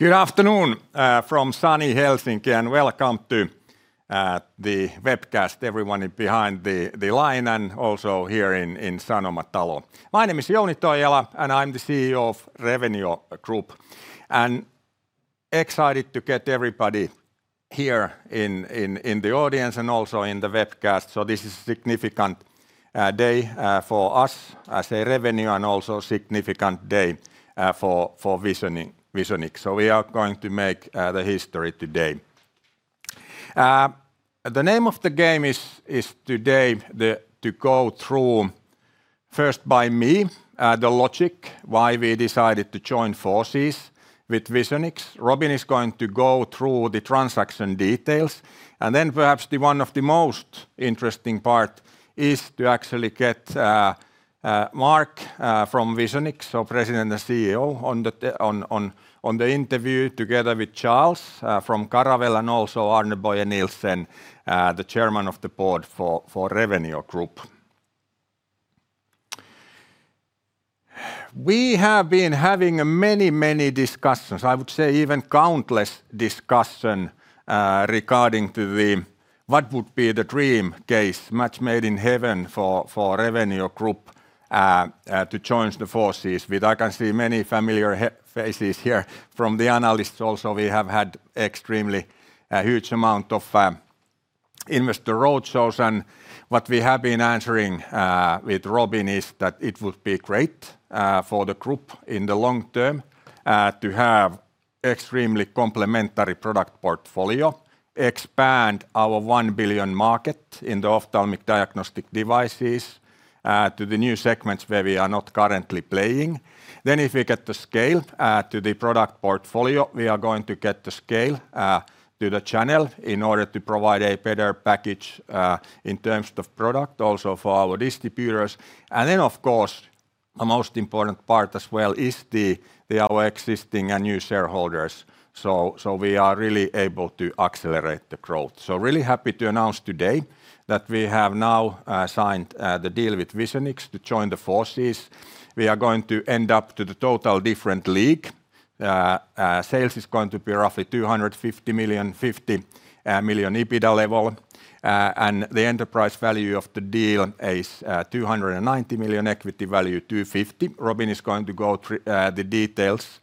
Good afternoon from sunny Helsinki, and welcome to the webcast, everyone behind the line and also here in Sanomatalo. My name is Jouni Toijala, and I'm the CEO of Revenio Group, and excited to get everybody here in the audience and also in the webcast. This is a significant day for us as a Revenio, and also a significant day for Visionix. We are going to make the history today. The name of the game is today to go through, first by me, the logic why we decided to join forces with Visionix. Robin is going to go through the transaction details, and then perhaps one of the most interesting part is to actually get Marc from Visionix, so President and CEO, on the interview together with Charles from Caravelle and also Arne Boye Nielsen, the Chairman of the Board for Revenio Group. We have been having many discussions, I would say even countless discussion, regarding to what would be the dream case, match made in heaven for Revenio Group to join the forces with. I can see many familiar faces here from the analysts also. We have had extremely huge amount of investor roadshows. What we have been answering with Robin is that it would be great for the Group in the long term to have extremely complementary product portfolio, expand our 1 billion market in the ophthalmic diagnostic devices to the new segments where we are not currently playing. If we get the scale to the product portfolio, we are going to get the scale to the channel in order to provide a better package in terms of product also for our distributors. Of course, a most important part as well is our existing and new shareholders. We are really able to accelerate the growth. Really happy to announce today that we have now signed the deal with Visionix to join the forces. We are going to end up to the total different league. Sales is going to be roughly 250 million, 50 million EBITDA level. The enterprise value of the deal is 290 million, equity value 250. Robin is going to go the details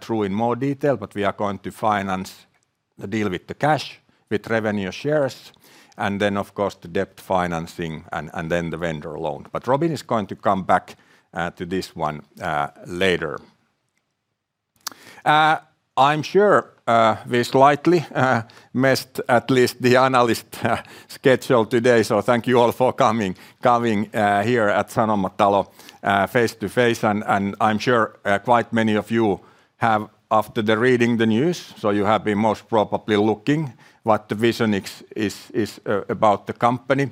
through in more detail, but we are going to finance the deal with the cash, with Revenio shares, and then of course, the debt financing and then the vendor loan. Robin is going to come back to this one later. I'm sure we slightly messed at least the analyst schedule today, so thank you all for coming here at Sanomatalo face to face. I'm sure quite many of you have after reading the news, so you have been most probably looking what Visionix is about the company.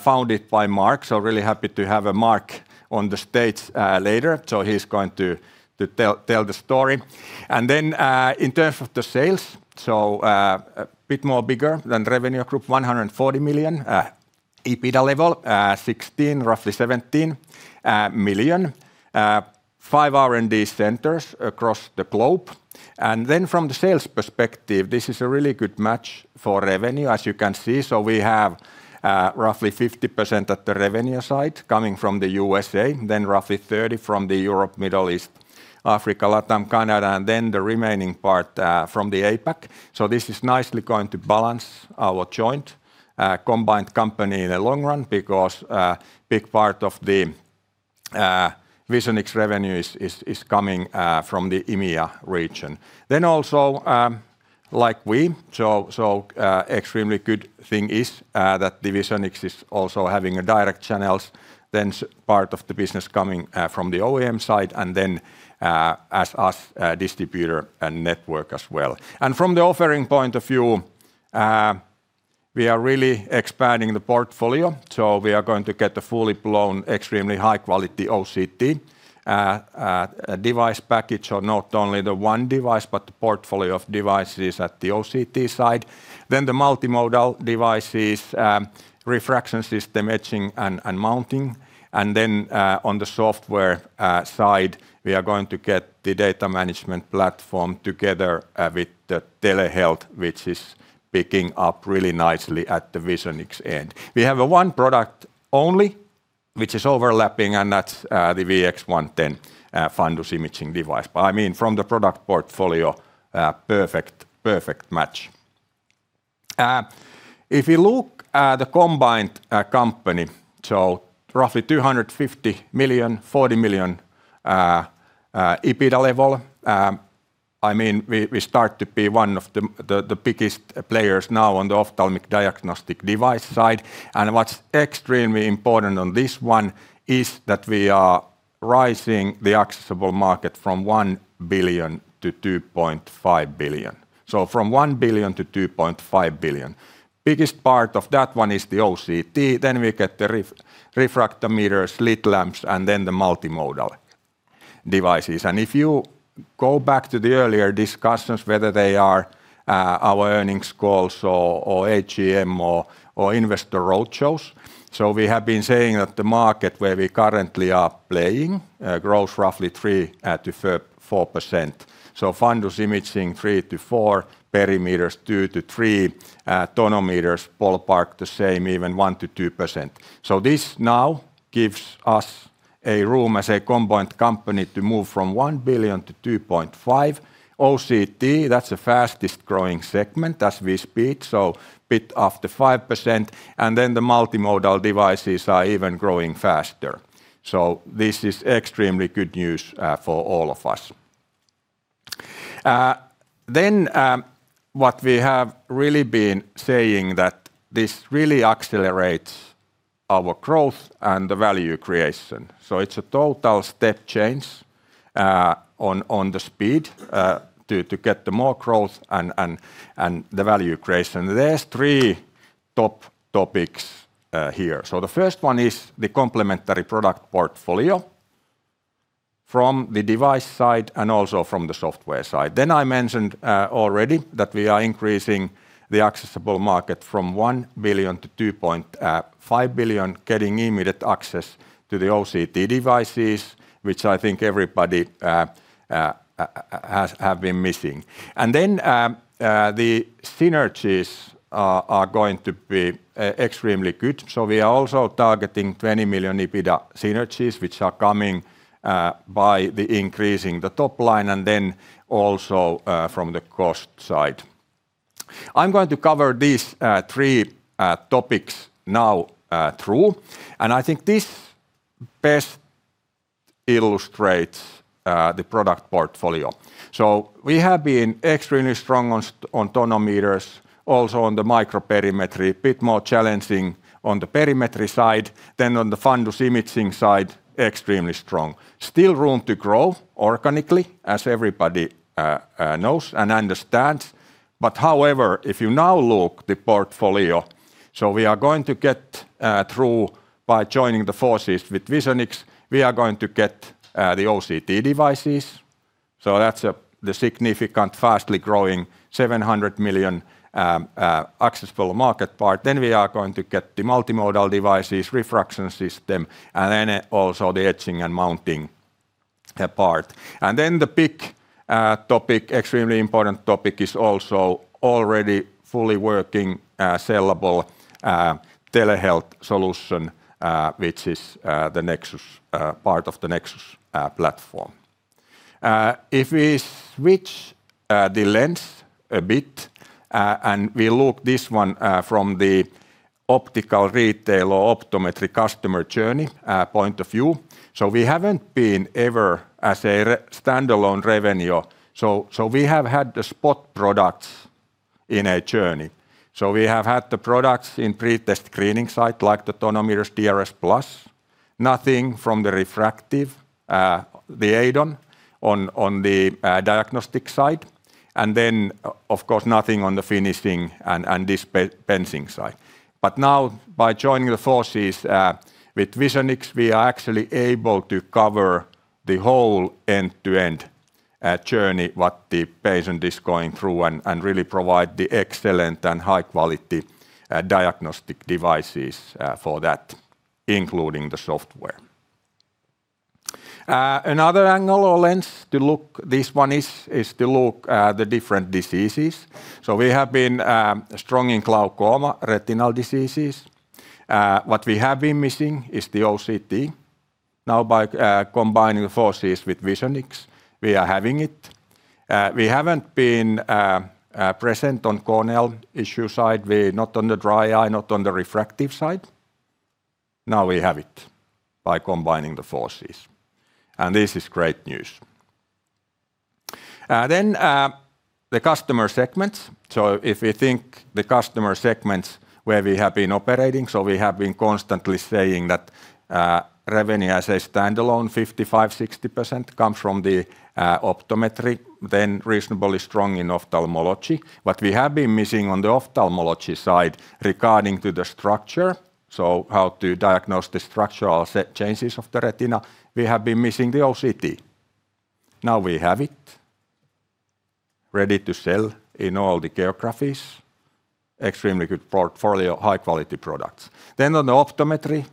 Founded by Marc, really happy to have Marc on the stage later. He's going to tell the story. In terms of the sales, a bit more bigger than Revenio Group, 140 million, EBITDA level 16, roughly 17 million. Five R&D centers across the globe. From the sales perspective, this is a really good match for Revenio, as you can see. We have roughly 50% at the revenue side coming from the USA, roughly 30% from the Europe, Middle East, Africa, LATAM, Canada, and the remaining part from the APAC. This is nicely going to balance our joint combined company in the long run because a big part of the Visionix revenue is coming from the EMEA region. Like, extremely good thing is that the Visionix is also having a direct channels, part of the business coming from the OEM side, and as us, distributor and network as well. From the offering point of view, we are really expanding the portfolio. We are going to get a fully blown, extremely high-quality OCT device package. Not only the one device, but the portfolio of devices at the OCT side. The multimodal devices, refraction system, edging, and mounting. On the software side, we are going to get the data management platform together with the telehealth, which is picking up really nicely at the Visionix end. We have a one product only, which is overlapping, and that's the VX 110 fundus imaging device. From the product portfolio, perfect match. If you look at the combined company, roughly 250 million, 40 million EBITDA level, we start to be one of the biggest players now on the ophthalmic diagnostic device side. What's extremely important on this one is that we are rising the accessible market from 1 billion-2.5 billion. From 1 billion-2.5 billion. Biggest part of that one is the OCT, then we get the refractometers, slit lamps, and then the multimodal devices. If you go back to the earlier discussions, whether they are our earnings calls or AGM or investor roadshows. We have been saying that the market where we currently are playing grows roughly 3%-4%. Fundus imaging 3%-4%, perimeters 2%-3%, tonometers ballpark the same, even 1%-2%. This now gives us a room as a combined company to move from 1 billion-2.5 billion. OCT, that's the fastest growing segment as we speak, so a bit after 5%. Multimodal devices are even growing faster. This is extremely good news for all of us. What we have really been saying that this really accelerates our growth and the value creation. It's a total step change on the speed to get the more growth and the value creation. There's three top topics here. The first one is the complementary product portfolio from the device side and also from the software side. I mentioned already that we are increasing the accessible market from 1 billion-2.5 billion, getting immediate access to the OCT devices, which I think everybody have been missing. The synergies are going to be extremely good. We are also targeting 20 million EBITDA synergies, which are coming by the increasing the top line and then also from the cost side. I'm going to cover these three topics now through. I think this best illustrates the product portfolio. We have been extremely strong on tonometers, also on the microperimetry, bit more challenging on the perimetry side than on the fundus imaging side, extremely strong. Still room to grow organically, as everybody knows and understands. However, if you now look the portfolio, we are going to get through by joining the forces with Visionix. We are going to get the OCT devices. That's the significant, fastly growing 700 million access full of market part. We are going to get the multimodal devices, refraction system, and also the edging and mounting part. The big topic, extremely important topic is also already fully working, sellable telehealth solution, which is part of the Nexus platform. If we switch the lens a bit, and we look this one from the optical retail or optometry customer journey point of view, we haven't been ever as a standalone Revenio. We have had the spot products in a journey. We have had the products in pre-test screening site like the tonometers DRSplus. Nothing from the refractive, the add-on on the diagnostic side. Of course, nothing on the finishing and dispensing side. Now by joining the forces with Visionix, we are actually able to cover the whole end-to-end journey, what the patient is going through and really provide the excellent and high-quality diagnostic devices for that, including the software. Another angle or lens to look this one is to look at the different diseases. We have been strong in glaucoma, retinal diseases. What we have been missing is the OCT. Now by combining forces with Visionix, we are having it. We haven't been present on corneal issue side. We're not on the dry eye, not on the refractive side. Now we have it by combining the forces. This is great news. The customer segments. If we think the customer segments where we have been operating, we have been constantly saying that Revenio as a standalone 55%-60% comes from the optometry, reasonably strong in ophthalmology. What we have been missing on the ophthalmology side regarding to the structure, how to diagnose the structural set changes of the retina, we have been missing the OCT. Now we have it ready to sell in all the geographies. Extremely good portfolio, high-quality products. On the optometry,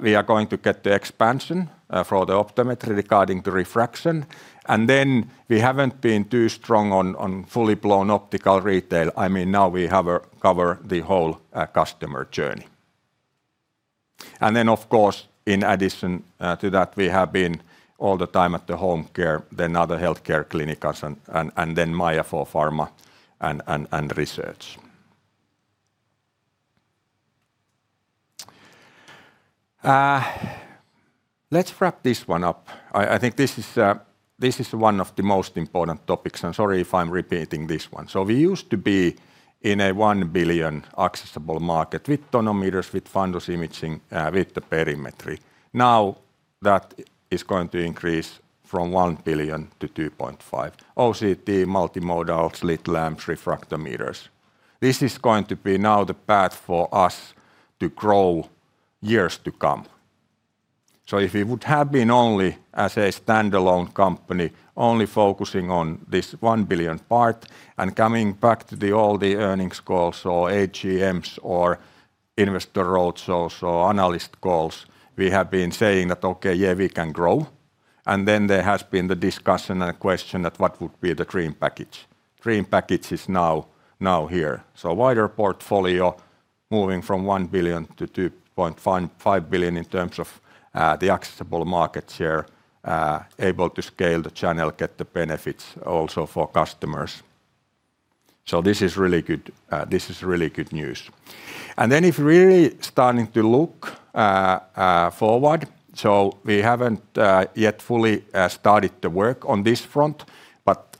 we are going to get the expansion for the optometry regarding the refraction. We haven't been too strong on fully-blown optical retail. Now we have covered the whole customer journey. Of course, in addition to that, we have been all the time at the home care, then other healthcare clinics and then MYAH for pharma and research. Let's wrap this one up. I think this is one of the most important topics, and sorry if I'm repeating this one. We used to be in a 1 billion accessible market with tonometers, with fundus imaging, with the perimetry. Now that is going to increase from 1 billion to 2.5 billion. OCT, multimodal, slit lamps, refractometers. This is going to be now the path for us to grow years to come. If it would have been only as a standalone company, only focusing on this 1 billion part and coming back to all the earnings calls or AGMs or investor roadshows or analyst calls, we have been saying that, "Okay, yeah, we can grow." There has been the discussion and question that what would be the dream package? Dream package is now here. Wider portfolio, moving from $1 billion-$2.5 billion in terms of the accessible market share, able to scale the channel, get the benefits also for customers. This is really good news. If really starting to look forward, we haven't yet fully started the work on this front.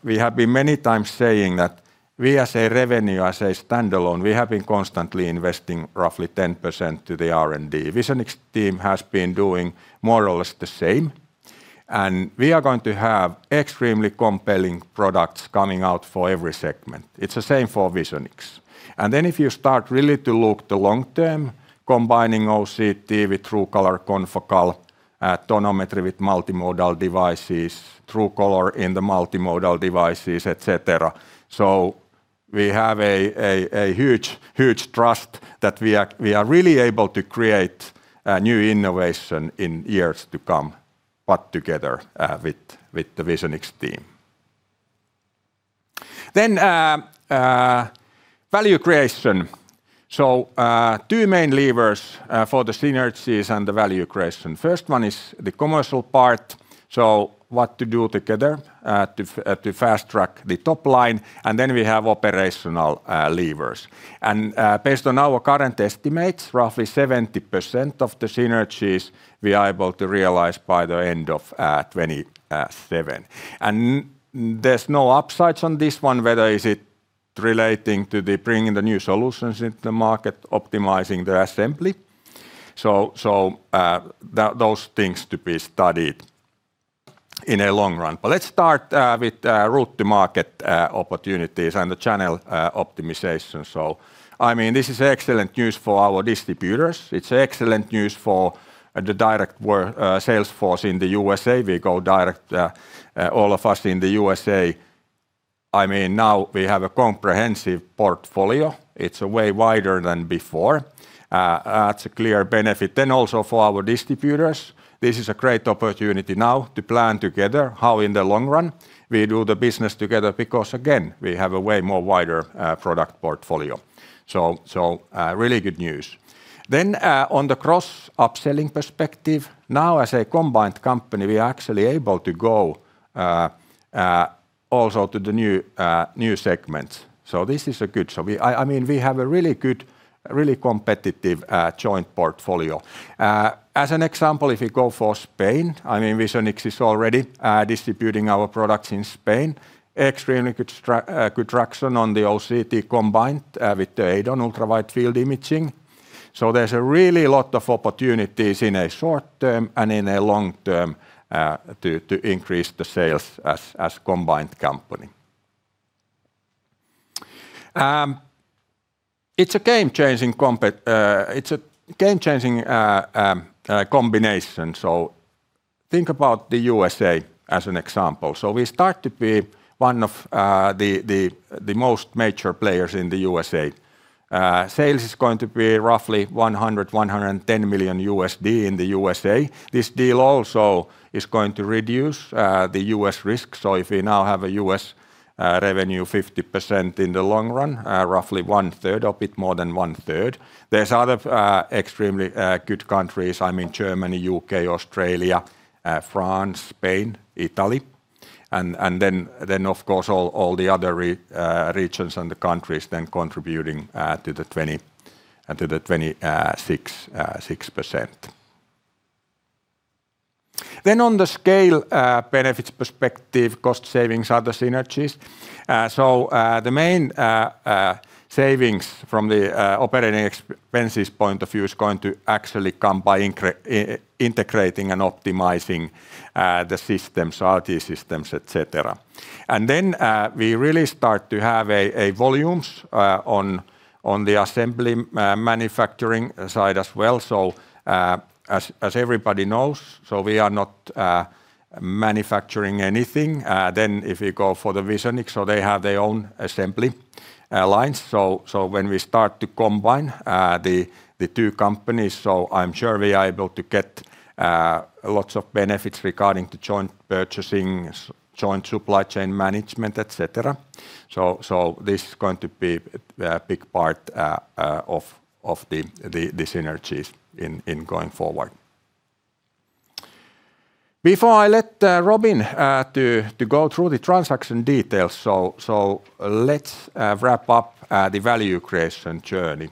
We have been many times saying that we as Revenio, as a standalone, we have been constantly investing roughly 10% to the R&D. Visionix team has been doing more or less the same. We are going to have extremely compelling products coming out for every segment. It's the same for Visionix. If you start really to look the long term, combining OCT with TrueColor Confocal, tonometry with multimodal devices, TrueColor in the multimodal devices, etc. We have a huge trust that we are really able to create new innovation in years to come, but together, with the Visionix team. Value creation. Two main levers for the synergies and the value creation. First one is the commercial part, so what to do together, to fast track the top line, and then we have operational levers. Based on our current estimates, roughly 70% of the synergies we are able to realize by the end of 2027. There's no upsides on this one, whether is it relating to the bringing the new solutions into the market, optimizing the assembly. Those things to be studied in a long run. Let's start with route to market opportunities and the channel optimization. I mean, this is excellent news for our distributors. It's excellent news for the direct sales force in the USA. We go direct, all of us in the USA. I mean, now we have a comprehensive portfolio. It's way wider than before. It's a clear benefit. Also for our distributors, this is a great opportunity now to plan together how in the long run we do the business together, because again, we have a way more wider product portfolio. Really good news. On the cross-upselling perspective, now, as a combined company, we are actually able to go also to the new segments. This is good. We have a really good, really competitive joint portfolio. As an example, if you go for Spain, I mean, Visionix is already distributing our products in Spain. Extremely good traction on the OCT combined with the EIDON Ultra-Widefield imaging. There's really a lot of opportunities in a short term and in a long term to increase the sales as combined company. It's a game-changing combination, so think about the USA as an example. We start to be one of the most major players in the USA. Sales is going to be roughly $100 million-$110 million in the USA. This deal also is going to reduce the U.S. risk, if we now have a U.S. revenue 50% in the long run, roughly 1/3, or a bit more than 1/3. There's other extremely good countries, I mean Germany, U.K., Australia, France, Spain, Italy, and of course all the other regions and the countries then contributing to the 26%. On the scale benefits perspective, cost savings, other synergies. The main savings from the operating expenses point of view is going to actually come by integrating and optimizing the systems, IT systems, et cetera. We really start to have volumes on the assembly manufacturing side as well. As everybody knows, we are not manufacturing anything. If you go for Visionix, they have their own assembly lines. When we start to combine the two companies, I'm sure we are able to get lots of benefits regarding to joint purchasing, joint supply chain management, etc. This is going to be a big part of the synergies in going forward. Before I let Robin go through the transaction details, let's wrap up the value creation journey.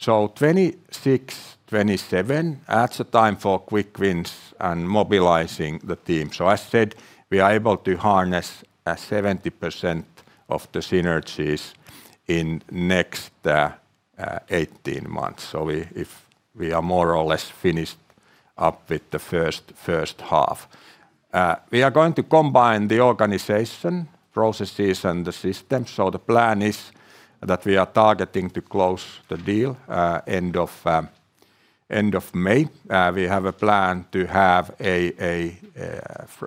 2026, 2027, that's the time for quick wins and mobilizing the team. As I said, we are able to harness 70% of the synergies in next 18 months. We are more or less finished up with the first half. We are going to combine the organization processes and the systems. The plan is that we are targeting to close the deal end of May. We have a plan to have,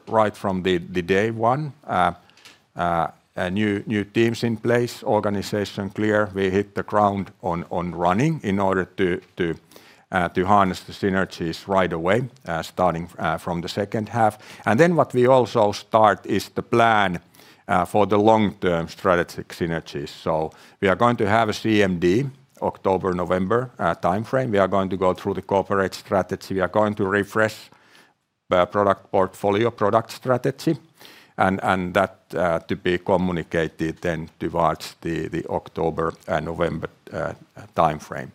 right from the day one, new teams in place, organization clear. We hit the ground on running in order to harness the synergies right away, starting from the second half. What we also start is the plan for the long-term strategic synergies. We are going to have a CMD October-November timeframe. We are going to go through the corporate strategy. We are going to refresh product portfolio, product strategy, and that to be communicated then towards the October and November timeframe.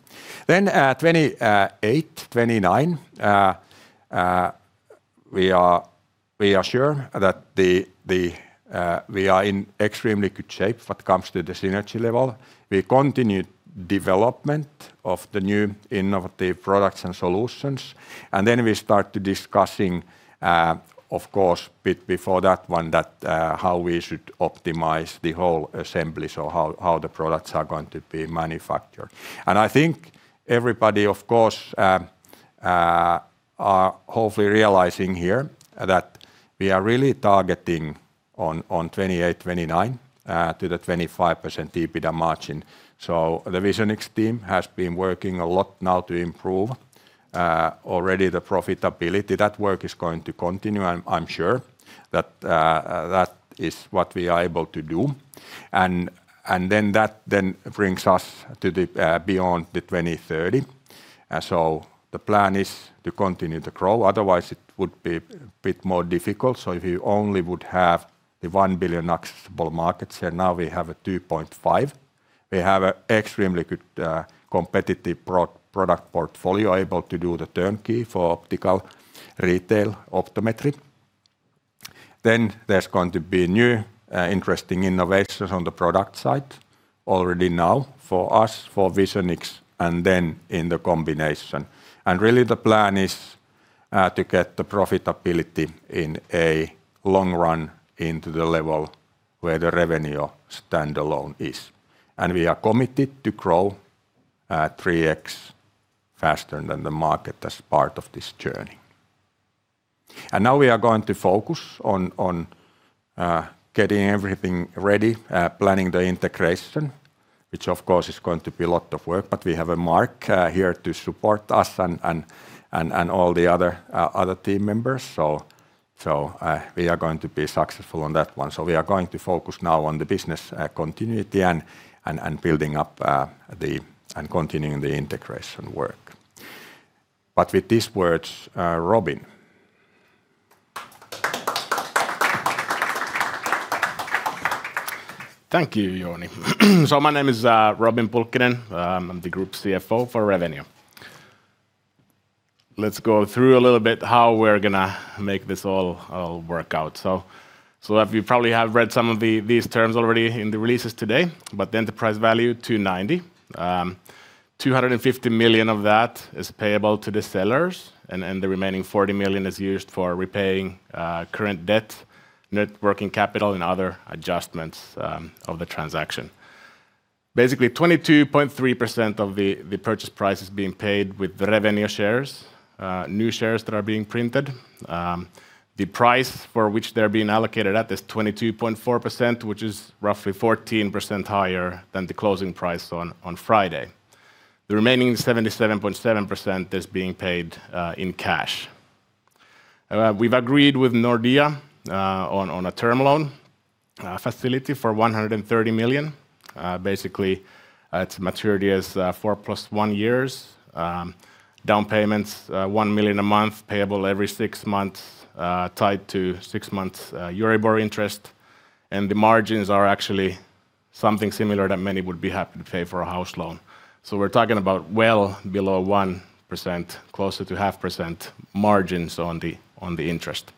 At 2028, 2029, we are sure that we are in extremely good shape when it comes to the synergy level. We continue development of the new innovative products and solutions. We start discussing, of course, a bit before that one, how we should optimize the whole assembly, so how the products are going to be manufactured. I think everybody, of course, are hopefully realizing here that we are really targeting on 2028, 2029, to the 25% EBITDA margin. The Visionix team has been working a lot now to improve already the profitability. That work is going to continue. I'm sure that is what we are able to do. That brings us to beyond the 2030. The plan is to continue to grow. Otherwise, it would be a bit more difficult. If you only would have the 1 billion accessible markets, and now we have a 2.5, we have an extremely good competitive product portfolio able to do the turnkey for optical retail optometry. There's going to be new interesting innovations on the product side already now for us, for Visionix, and then in the combination. Really the plan is to get the profitability in a long run into the level where the Revenio standalone is. We are committed to grow at 3x faster than the market as part of this journey. Now we are going to focus on getting everything ready, planning the integration, which of course is going to be a lot of work, but we have Marc here to support us and all the other team members. We are going to be successful on that one. We are going to focus now on the business continuity and building up and continuing the integration work. With these words, Robin. Thank you, Jouni. My name is Robin Pulkkinen. I'm the Group CFO for Revenio. Let's go through a little bit how we're going to make this all work out. You probably have read some of these terms already in the releases today, about the enterprise value, 290. 250 million of that is payable to the sellers and the remaining 40 million is used for repaying current debt, net working capital, and other adjustments of the transaction. Basically, 22.3% of the purchase price is being paid with the Revenio shares, new shares that are being printed. The price for which they're being allocated at is 22.4, which is roughly 14% higher than the closing price on Friday. The remaining 77.7% is being paid in cash. We've agreed with Nordea on a term loan facility for 130 million. Basically, its maturity is four plus one years. Down payments, 1 million a month payable every six months, tied to six months EURIBOR interest, and the margins are actually something similar that many would be happy to pay for a house loan. We're talking about well below 1%, closer to 0.5% margins on the interest.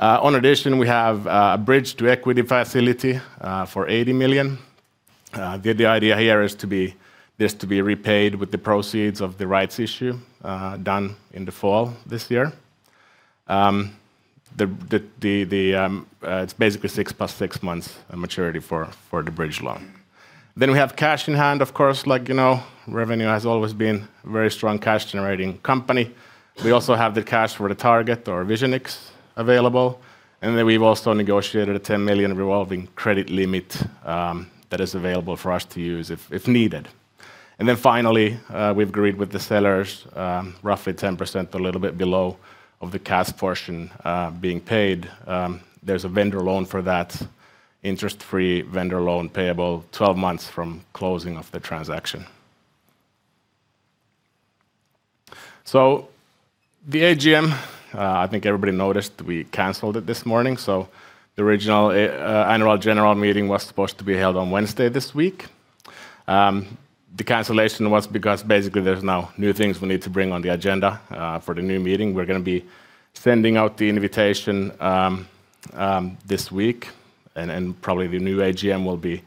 In addition, we have a bridge to equity facility for 80 million. The idea here is this to be repaid with the proceeds of the rights issue done in the fall this year. It's basically six plus six months maturity for the bridge loan. We have cash in hand, of course. Like you know, Revenio has always been a very strong cash-generating company. We also have the cash for the target or Visionix available. We've also negotiated a 10 million revolving credit limit that is available for us to use if needed. Finally, we've agreed with the sellers, roughly 10%, a little bit below of the cash portion being paid. There's a vendor loan for that, interest-free vendor loan payable 12 months from closing of the transaction. The AGM, I think everybody noticed we canceled it this morning. The original Annual General Meeting was supposed to be held on Wednesday this week. The cancellation was because basically there's now new things we need to bring on the agenda for the new meeting. We're going to be sending out the invitation this week, and probably the new AGM will be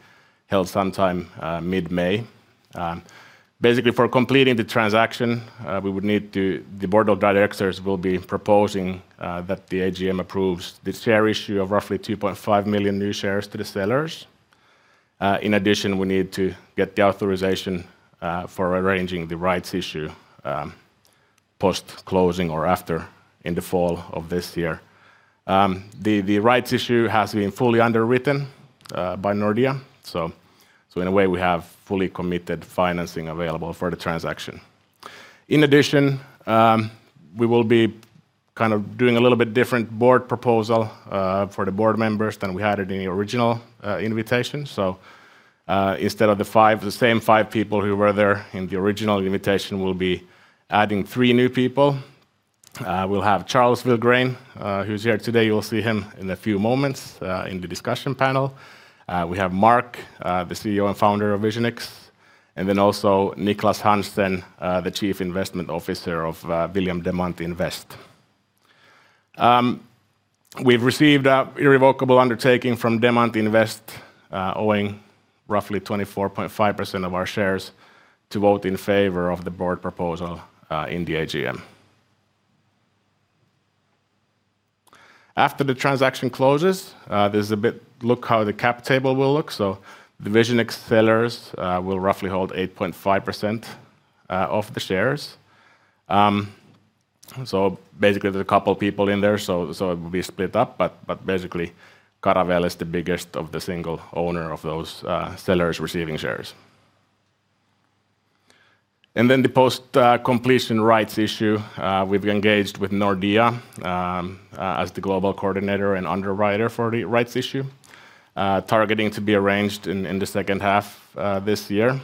held sometime mid-May. Basically, for completing the transaction, we would need to the Board of Directors will be proposing that the AGM approves the share issue of roughly 2.5 million new shares to the sellers. In addition, we need to get the authorization for arranging the rights issue post-closing or after in the fall of this year. The rights issue has been fully underwritten by Nordea, so in a way we have fully committed financing available for the transaction. In addition, we will be doing a little bit different Board proposal for the Board members than we had in the original invitation. Instead of the same five people who were there in the original invitation, we'll be adding three new people. We'll have Charles Vilgrain, who's here today. You'll see him in a few moments in the discussion panel. We have Marc, the CEO and Founder of Visionix, and then also Nicklas Hansen, the Chief Investment Officer of William Demant Invest. We've received an irrevocable undertaking from Demant Invest owning roughly 24.5% of our shares to vote in favor of the Board proposal in the AGM. After the transaction closes, there's a look at how the cap table will look. Visionix sellers will roughly hold 8.5% of the shares. Basically, there's a couple people in there, so it will be split up, but basically Caravelle is the biggest single owner of those sellers receiving shares. For the post-completion rights issue, we've engaged with Nordea as the global coordinator and underwriter for the rights issue, targeting to be arranged in the second half this year.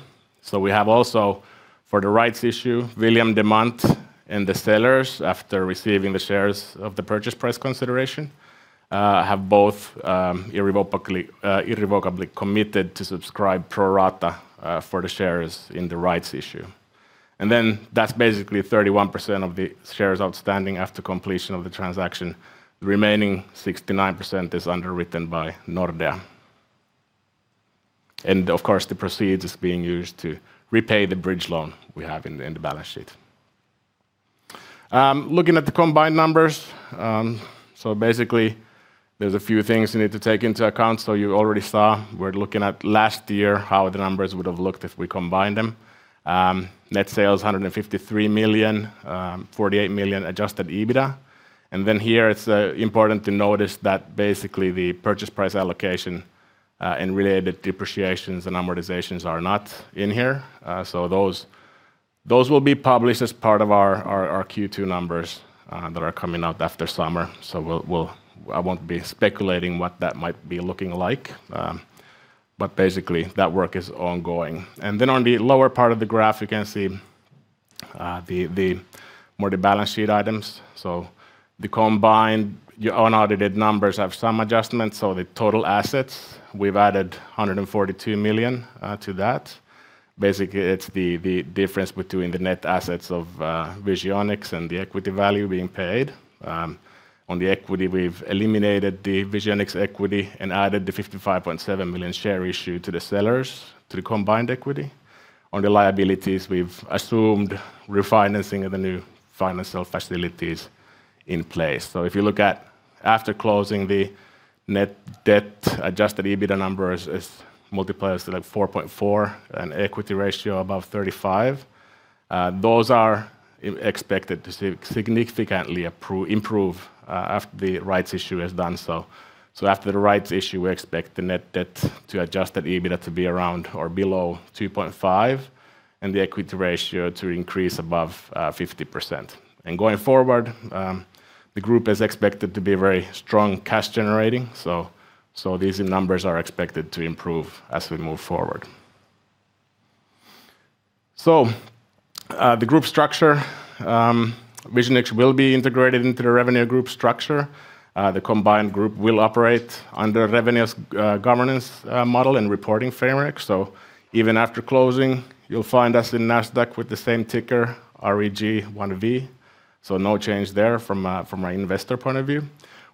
We have also, for the rights issue, William Demant and the sellers, after receiving the shares of the purchase price consideration, have both irrevocably committed to subscribe pro rata for the shares in the rights issue. That's basically 31% of the shares outstanding after completion of the transaction. The remaining 69% is underwritten by Nordea. Of course, the proceeds is being used to repay the bridge loan we have in the balance sheet. Looking at the combined numbers, basically there's a few things you need to take into account. You already saw we're looking at last year, how the numbers would've looked if we combined them. Net sales, 153 million, 48 million adjusted EBITDA. Here it's important to notice that basically the purchase price allocation and related depreciations and amortizations are not in here. Those will be published as part of our Q2 numbers that are coming out after summer. I won't be speculating what that might be looking like. Basically that work is ongoing. On the lower part of the graph, you can see more the balance sheet items. The combined unaudited numbers have some adjustments. The total assets, we've added 142 million to that. Basically, it's the difference between the net assets of Visionix and the equity value being paid. On the equity, we've eliminated the Visionix equity and added the 55.7 million share issue to the sellers to the combined equity. On the liabilities, we've assumed refinancing of the new finance sale facilities in place. If you look at after closing the net debt adjusted EBITDA numbers is multiples to 4.4 and equity ratio above 35. Those are expected to significantly improve after the rights issue is done. After the rights issue, we expect the net debt to adjusted EBITDA to be around or below 2.5, and the equity ratio to increase above 50%. Going forward, the Group is expected to be very strong cash generating. These numbers are expected to improve as we move forward. The Group structure, Visionix will be integrated into the Revenio Group structure. The combined Group will operate under Revenio's governance model and reporting framework. Even after closing, you'll find us in Nasdaq with the same ticker, REG1V. No change there from our investor point of view.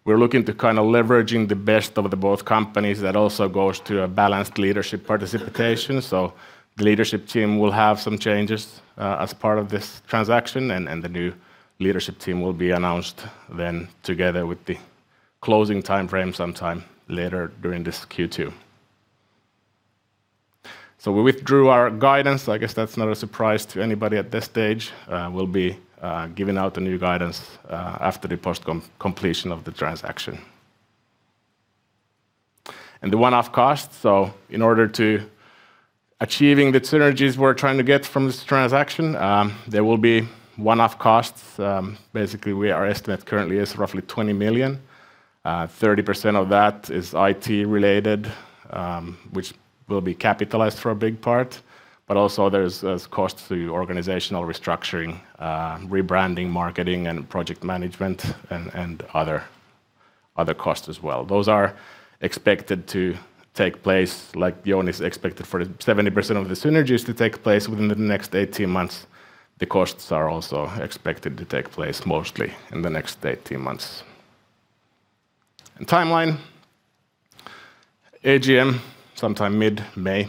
We're looking to kind of leveraging the best of the both companies. That also goes to a balanced leadership participation. The leadership team will have some changes as part of this transaction, and the new leadership team will be announced then together with the closing timeframe sometime later during this Q2. We withdrew our guidance. I guess that's not a surprise to anybody at this stage. We'll be giving out the new guidance after the post-completion of the transaction. In order to achieving the synergies we're trying to get from this transaction, there will be one-off costs. Basically, our estimate currently is roughly 20 million. 30% of that is IT-related, which will be capitalized for a big part, but also there's cost to organizational restructuring, rebranding, marketing, and project management, and other costs as well. Take place like Jouni's expected for 70% of the synergies to take place within the next 18 months. The costs are also expected to take place mostly in the next 18 months. And timeline, AGM, sometime mid-May.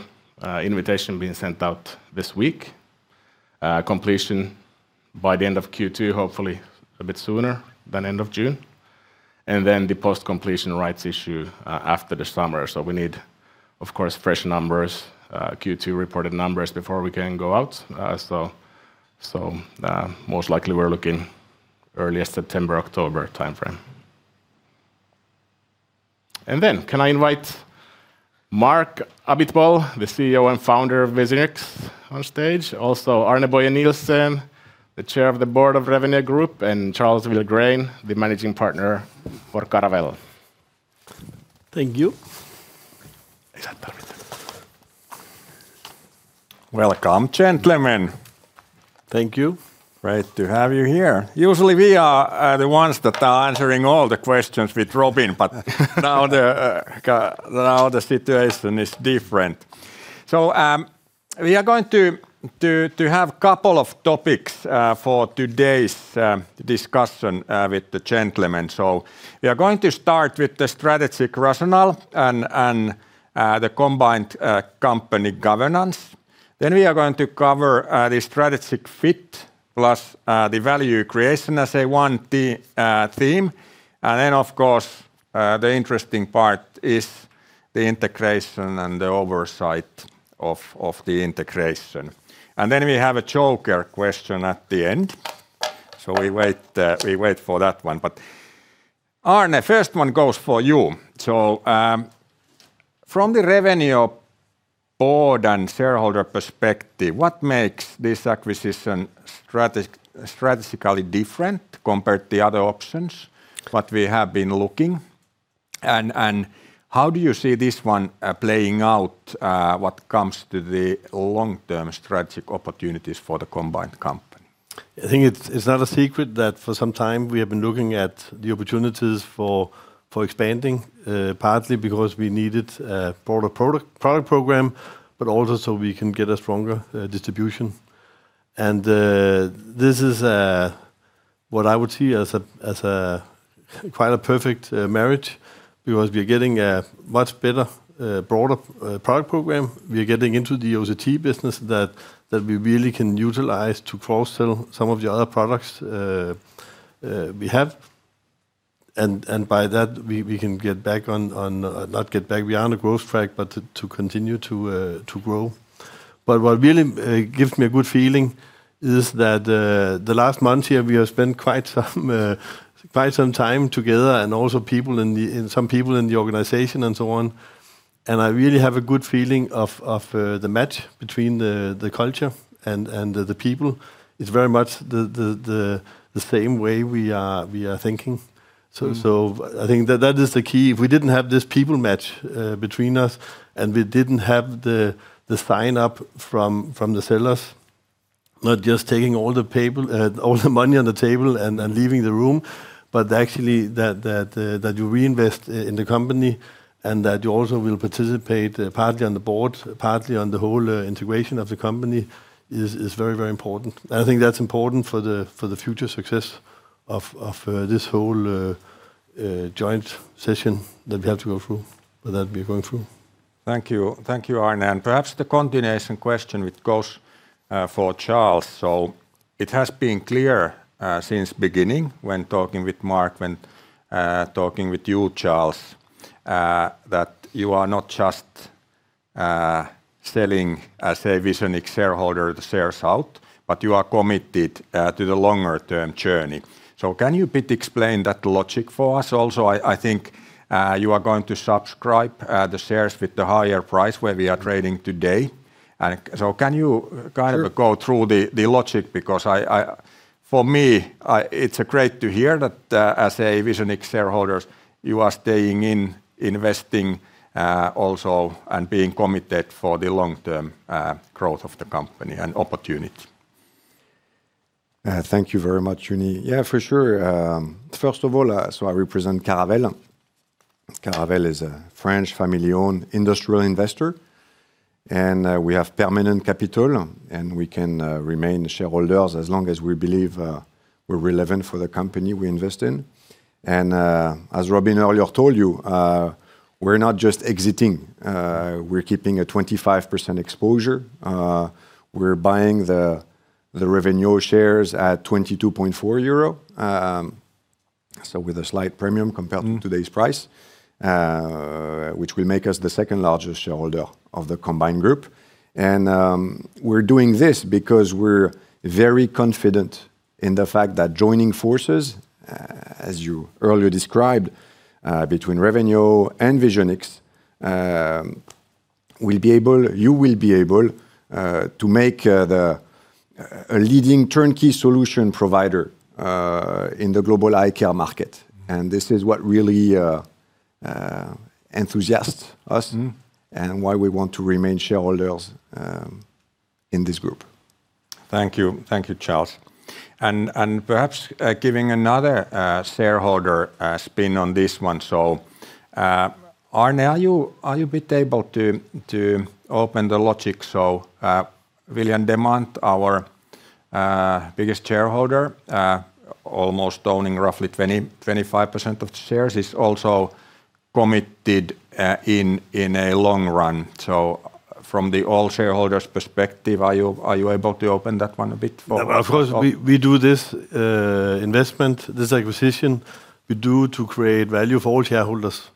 Invitation being sent out this week. Completion by the end of Q2, hopefully a bit sooner than end of June. And then the post-completion rights issue after the summer. So we need, of course, fresh numbers, Q2 reported numbers before we can go out. So, most likely we're looking early September, October timeframe. And then can I invite Marc Abitbol, the CEO and founder of Visionix, onstage? Also Arne Boye Nielsen, the chair of the board of Revenio Group, and Charles Vilgrain, the managing partner for Caravelle. Thank you. Welcome, gentlemen. Thank you. Great to have you here. Usually we are the ones that are answering all the questions with Robin, but now the situation is different. We are going to have couple of topics for today's discussion with the gentlemen. We are going to start with the strategic rationale and the combined company governance. We are going to cover the strategic fit plus the value creation as a one team. Of course, the interesting part is the integration and the oversight of the integration. We have a joker question at the end. We wait for that one. Arne, first one goes for you. From the Revenio board and shareholder perspective, what makes this acquisition strategically different compared to other options what we have been looking? How do you see this one playing out? What comes to the long-term strategic opportunities for the combined company? I think it's not a secret that for some time we have been looking at the opportunities for expanding, partly because we needed a broader product program, but also so we can get a stronger distribution. This is what I would see as quite a perfect marriage, because we're getting a much better, broader product program. We're getting into the OCT business that we really can utilize to cross-sell some of the other products we have. By that, we are on a growth track, but to continue to grow. What really gives me a good feeling is that the last months here, we have spent quite some time together and also some people in the organization and so on. I really have a good feeling of the match between the culture and the people. It's very much the same way we are thinking. I think that that is the key. If we didn't have this people match between us, and we didn't have the sign-up from the sellers, not just taking all the money on the table and leaving the room, actually that you reinvest in the company and that you also will participate partly on the Board, partly on the whole integration of the company is very, very important. I think that's important for the future success of this whole joint session that we have to go through, or that we're going through. Thank you. Thank you, Arne. Perhaps the continuation question which goes for Charles. It has been clear since beginning when talking with Marc, when talking with you, Charles, that you are not just selling, as a Visionix shareholder, the shares out, but you are committed to the longer-term journey. Can you bit explain that logic for us? Also, I think you are going to subscribe the shares with the higher price where we are trading today. Sure. Kind of go through the logic because for me it's great to hear that as a Visionix shareholder, you are staying in, investing also, and being committed for the long-term growth of the company and opportunity. Thank you very much, Jouni. Yeah, for sure. First of all, I represent Caravelle. Caravelle is a French family-owned industrial investor, and we have permanent capital, and we can remain shareholders as long as we believe we're relevant for the company we invest in. As Robin earlier told you, we're not just exiting. We're keeping a 25% exposure. We're buying the Revenio shares at 22.4 euro, with a slight premium compared. Mm. To today's price, which will make us the second-largest shareholder of the combined group. We're doing this because we're very confident in the fact that joining forces, as you earlier described, between Revenio and Visionix, you will be able to make a leading turnkey solution provider in the global eye care market. This is what really enthuses us. Mm. Why we want to remain shareholders in this Group. Thank you, Charles. Perhaps giving another shareholder spin on this one, Arne, are you a bit able to open the logic? William Demant, our biggest shareholder, almost owning roughly 25% of the shares, is also committed in a long run. From the all shareholders' perspective, are you able to open that one a bit for us? Of course, we do this investment, this acquisition, we do to create value for all shareholders.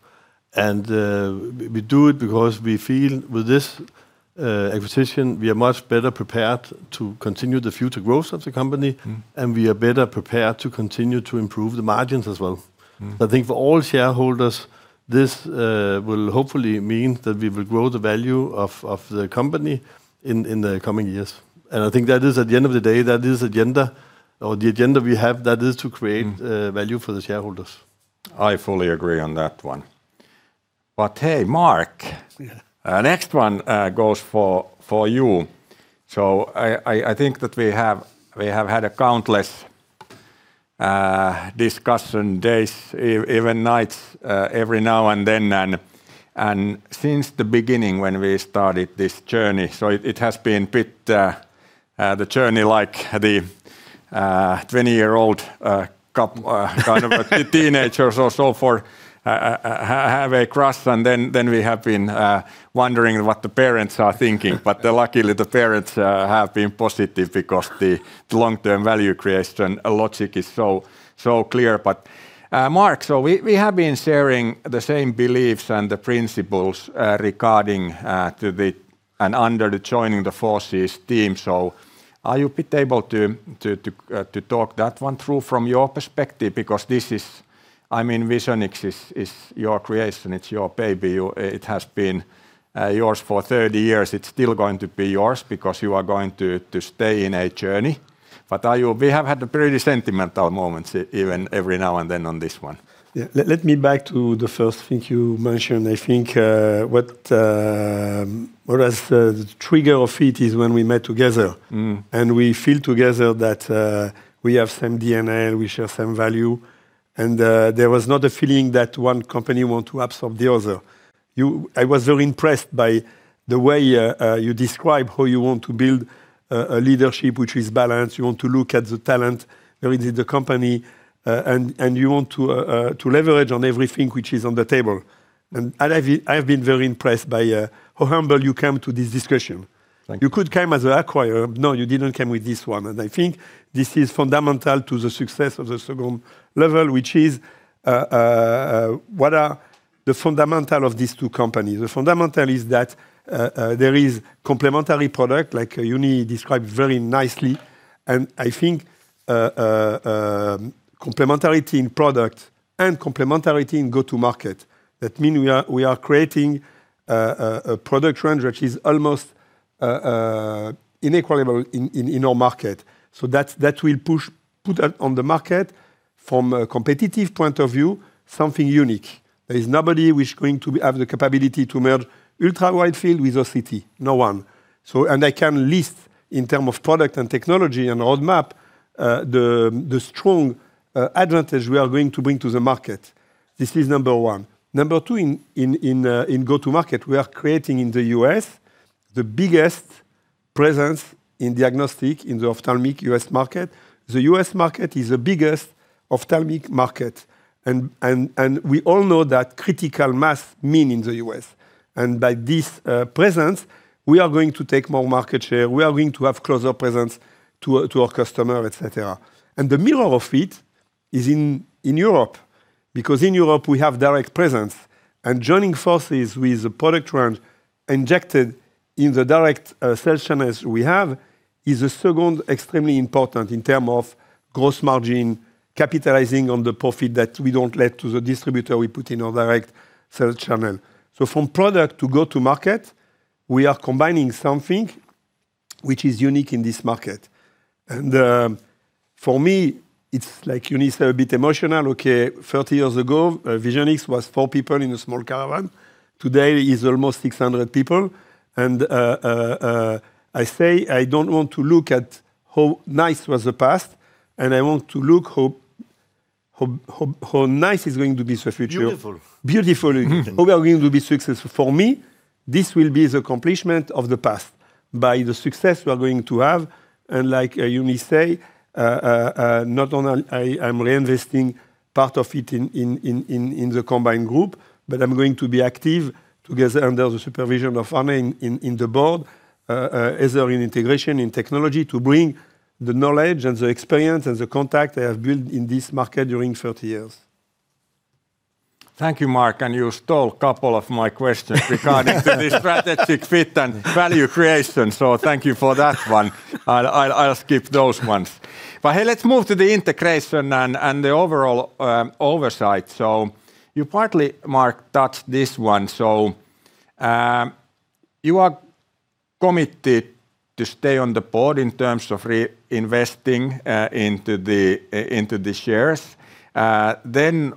We do it because we feel with this acquisition, we are much better prepared to continue the future growth of the company, and we are better prepared to continue to improve the margins as well. Mm. I think for all shareholders, this will hopefully mean that we will grow the value of the company in the coming years. I think that is, at the end of the day, the agenda we have. Mm. Value for the shareholders. I fully agree on that one. But hey, Marc. Yeah. Next one goes for you. I think that we have had a countless discussion days, even nights, every now and then, and since the beginning when we started this journey. It has been a bit the journey like the 20-year-old kind of teenagers or so for have a crush and then we have been wondering what the parents are thinking. Luckily, the parents have been positive because the long-term value creation logic is so clear. Marc, so we have been sharing the same beliefs and the principles regarding to the, and under the joining forces team. Are you bit able to talk that one through from your perspective? Because this is, I mean, Visionix is your creation. It's your baby. It has been yours for 30 years. It's still going to be yours because you are going to stay in a journey. We have had pretty sentimental moments even every now and then on this one. Yeah, let me back to the first thing you mentioned. I think what was the trigger of it is when we met together. Mm. We feel together that we have same DNA, we share same value, and there was not a feeling that one company want to absorb the other. I was very impressed by the way you describe how you want to build a leadership which is balanced. You want to look at the talent within the company, and you want to leverage on everything which is on the table. I have been very impressed by how humble you come to this discussion. Thank you. You could come as a acquirer. No, you didn't come with this one. I think this is fundamental to the success of the second level, which is, what are the fundamental of these two companies? The fundamental is that there is complementary product, like Jouni described very nicely, and I think complementarity in product and complementarity in go-to-market. That mean we are creating a product range which is almost inimitable in our market. That will put on the market from a competitive point of view, something unique. There is nobody which going to have the capability to merge Ultra-Widefield with OCT, no one. I can list in term of product and technology and roadmap, the strong advantage we are going to bring to the market. This is number one. Number two, in go-to market, we are creating in the U.S. the biggest presence in diagnostic in the ophthalmic U.S. market. The U.S. market is the biggest ophthalmic market, and we all know that critical mass means in the U.S. By this presence, we are going to take more market share, we are going to have closer presence to our customer, etc. The middle of it is in Europe, because in Europe, we have direct presence. Joining forces with the product range injected in the direct sales channels we have is a second extremely important in terms of gross margin, capitalizing on the profit that we don't let to the distributor we put in our direct sales channel. From product to go-to market, we are combining something which is unique in this market. For me, it's like Jouni said, a bit emotional. Okay, 30 years ago, Visionix was four people in a small caravan. Today, it's almost 600 people. I say I don't want to look at how nice was the past, and I want to look how nice is going to be the future. Beautiful. Beautiful even. Mm-hmm. How we are going to be successful? For me, this will be the accomplishment of the past by the success we are going to have. Like Jouni say, not only I am reinvesting part of it in the combined group, but I'm going to be active together under the supervision of Arne in the Board, as well as in integration in technology to bring the knowledge and the experience and the contact I have built in this market during 30 years. Thank you, Marc. You stole couple of my questions regarding the strategic fit and value creation, so thank you for that one. I'll skip those ones. Hey, let's move to the integration and the overall oversight. You partly, Marc, touched this one. You are committed to stay on the Board in terms of reinvesting into the shares.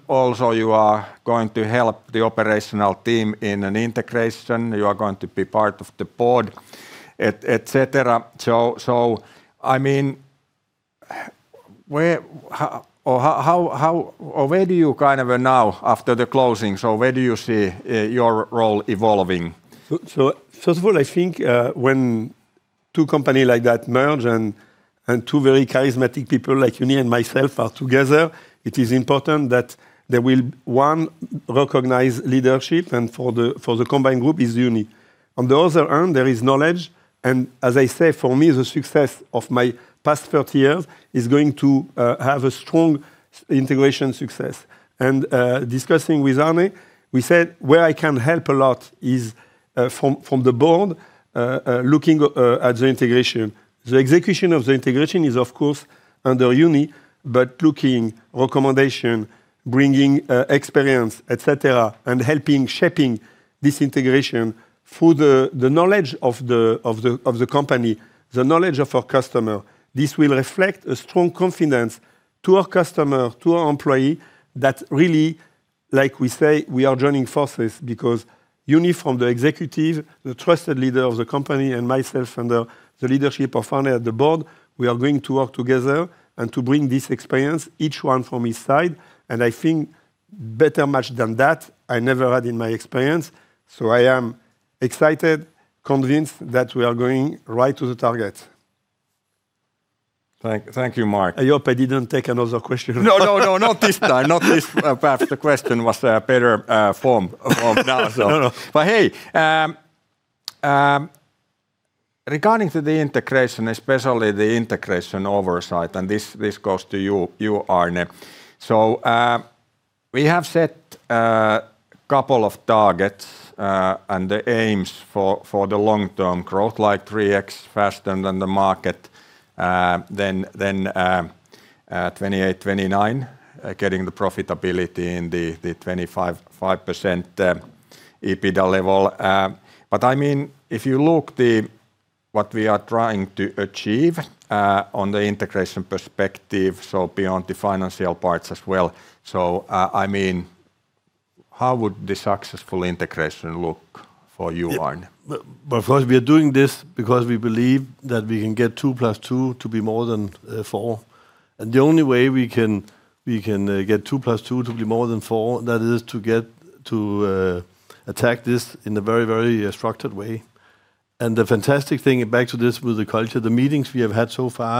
Also you are going to help the operational team in an integration. You are going to be part of the Board, etc. I mean, where do you kind of are now after the closings, or where do you see your role evolving? First of all, I think when two company like that merge and two very charismatic people like Jouni and myself are together, it is important that there will, one, recognize leadership, and for the combined group is Jouni. On the other hand, there is knowledge, and as I say, for me, the success of my past 30 years is going to have a strong integration success. Discussing with Arne, we said where I can help a lot is from the Board, looking at the integration. The execution of the integration is, of course, under Jouni, but looking recommendation, bringing experience, etc., and helping shaping this integration through the knowledge of the company, the knowledge of our customer. This will reflect a strong confidence to our customer, to our employee that really, like we say, we are joining forces because Jouni from the Executive, the trusted leader of the company, and myself and the leadership are finally at the Board. We are going to work together and to bring this experience, each one from his side. I think better match than that I never had in my experience. I am excited, convinced that we are going right to the target. Thank you, Marc. I hope I didn't take another question. No, not this time. Not this. Perhaps the question was better formed now. No. Hey, regarding to the integration, especially the integration oversight, and this goes to you, Arne. We have set couple of targets, and the aims for the long-term growth, like 3x faster than the market, then 2028-2029, getting the profitability in the 25% EBITDA level. If you look at what we are trying to achieve on the integration perspective, so beyond the financial parts as well, how would the successful integration look for you, Arne? First, we are doing this because we believe that we can get two plus two to be more than four, and the only way we can get two plus two to be more than four, that is to attack this in a very structured way. The fantastic thing, back to this with the culture, the meetings we have had so far,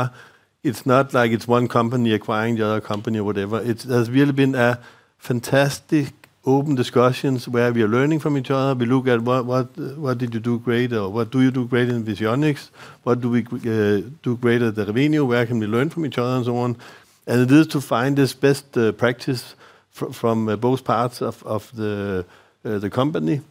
it's not like it's one company acquiring the other company or whatever. It has really been a fantastic open discussions where we are learning from each other. We look at what did you do great or what do you do great in Visionix, what do we do great at the Revenio, where can we learn from each other and so on. It is to find this best practice from both parts of the company,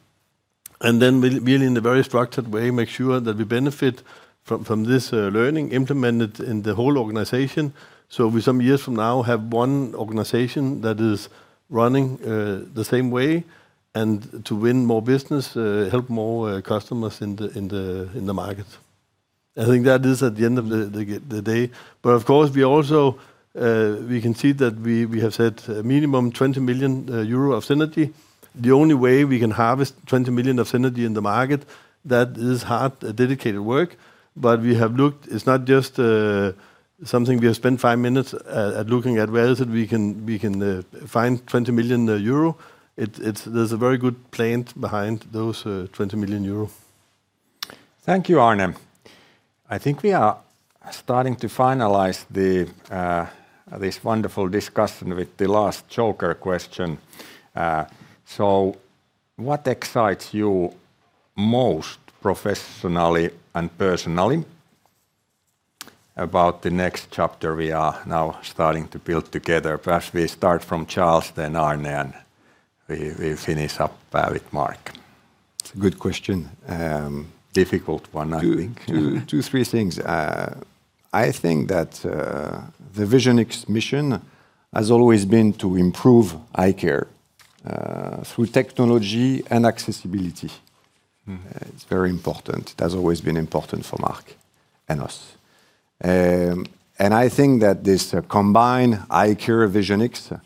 and then really in a very structured way, make sure that we benefit from this learning, implement it in the whole organization. We some years from now have one organization that is running the same way and to win more business, help more customers in the market. I think that is at the end of the day. Of course, we can see that we have set minimum 20 million euro of synergy. The only way we can harvest 20 million of synergy in the market, that is hard, dedicated work. We have looked, it's not just something we have spent five minutes at looking at where is it we can find 20 million euro. There's a very good plan behind those 20 million euro. Thank you, Arne. I think we are starting to finalize this wonderful discussion with the last joker question. What excites you most professionally and personally about the next chapter we are now starting to build together? Perhaps we start from Charles, then Arne, and we finish up with Marc. It's a good question. Difficult one, I think. Two, three things. I think that the Visionix mission has always been to improve eye care through technology and accessibility. Mm-hmm. It's very important. It has always been important for Marc and us. I think that this combined iCare-Visionix,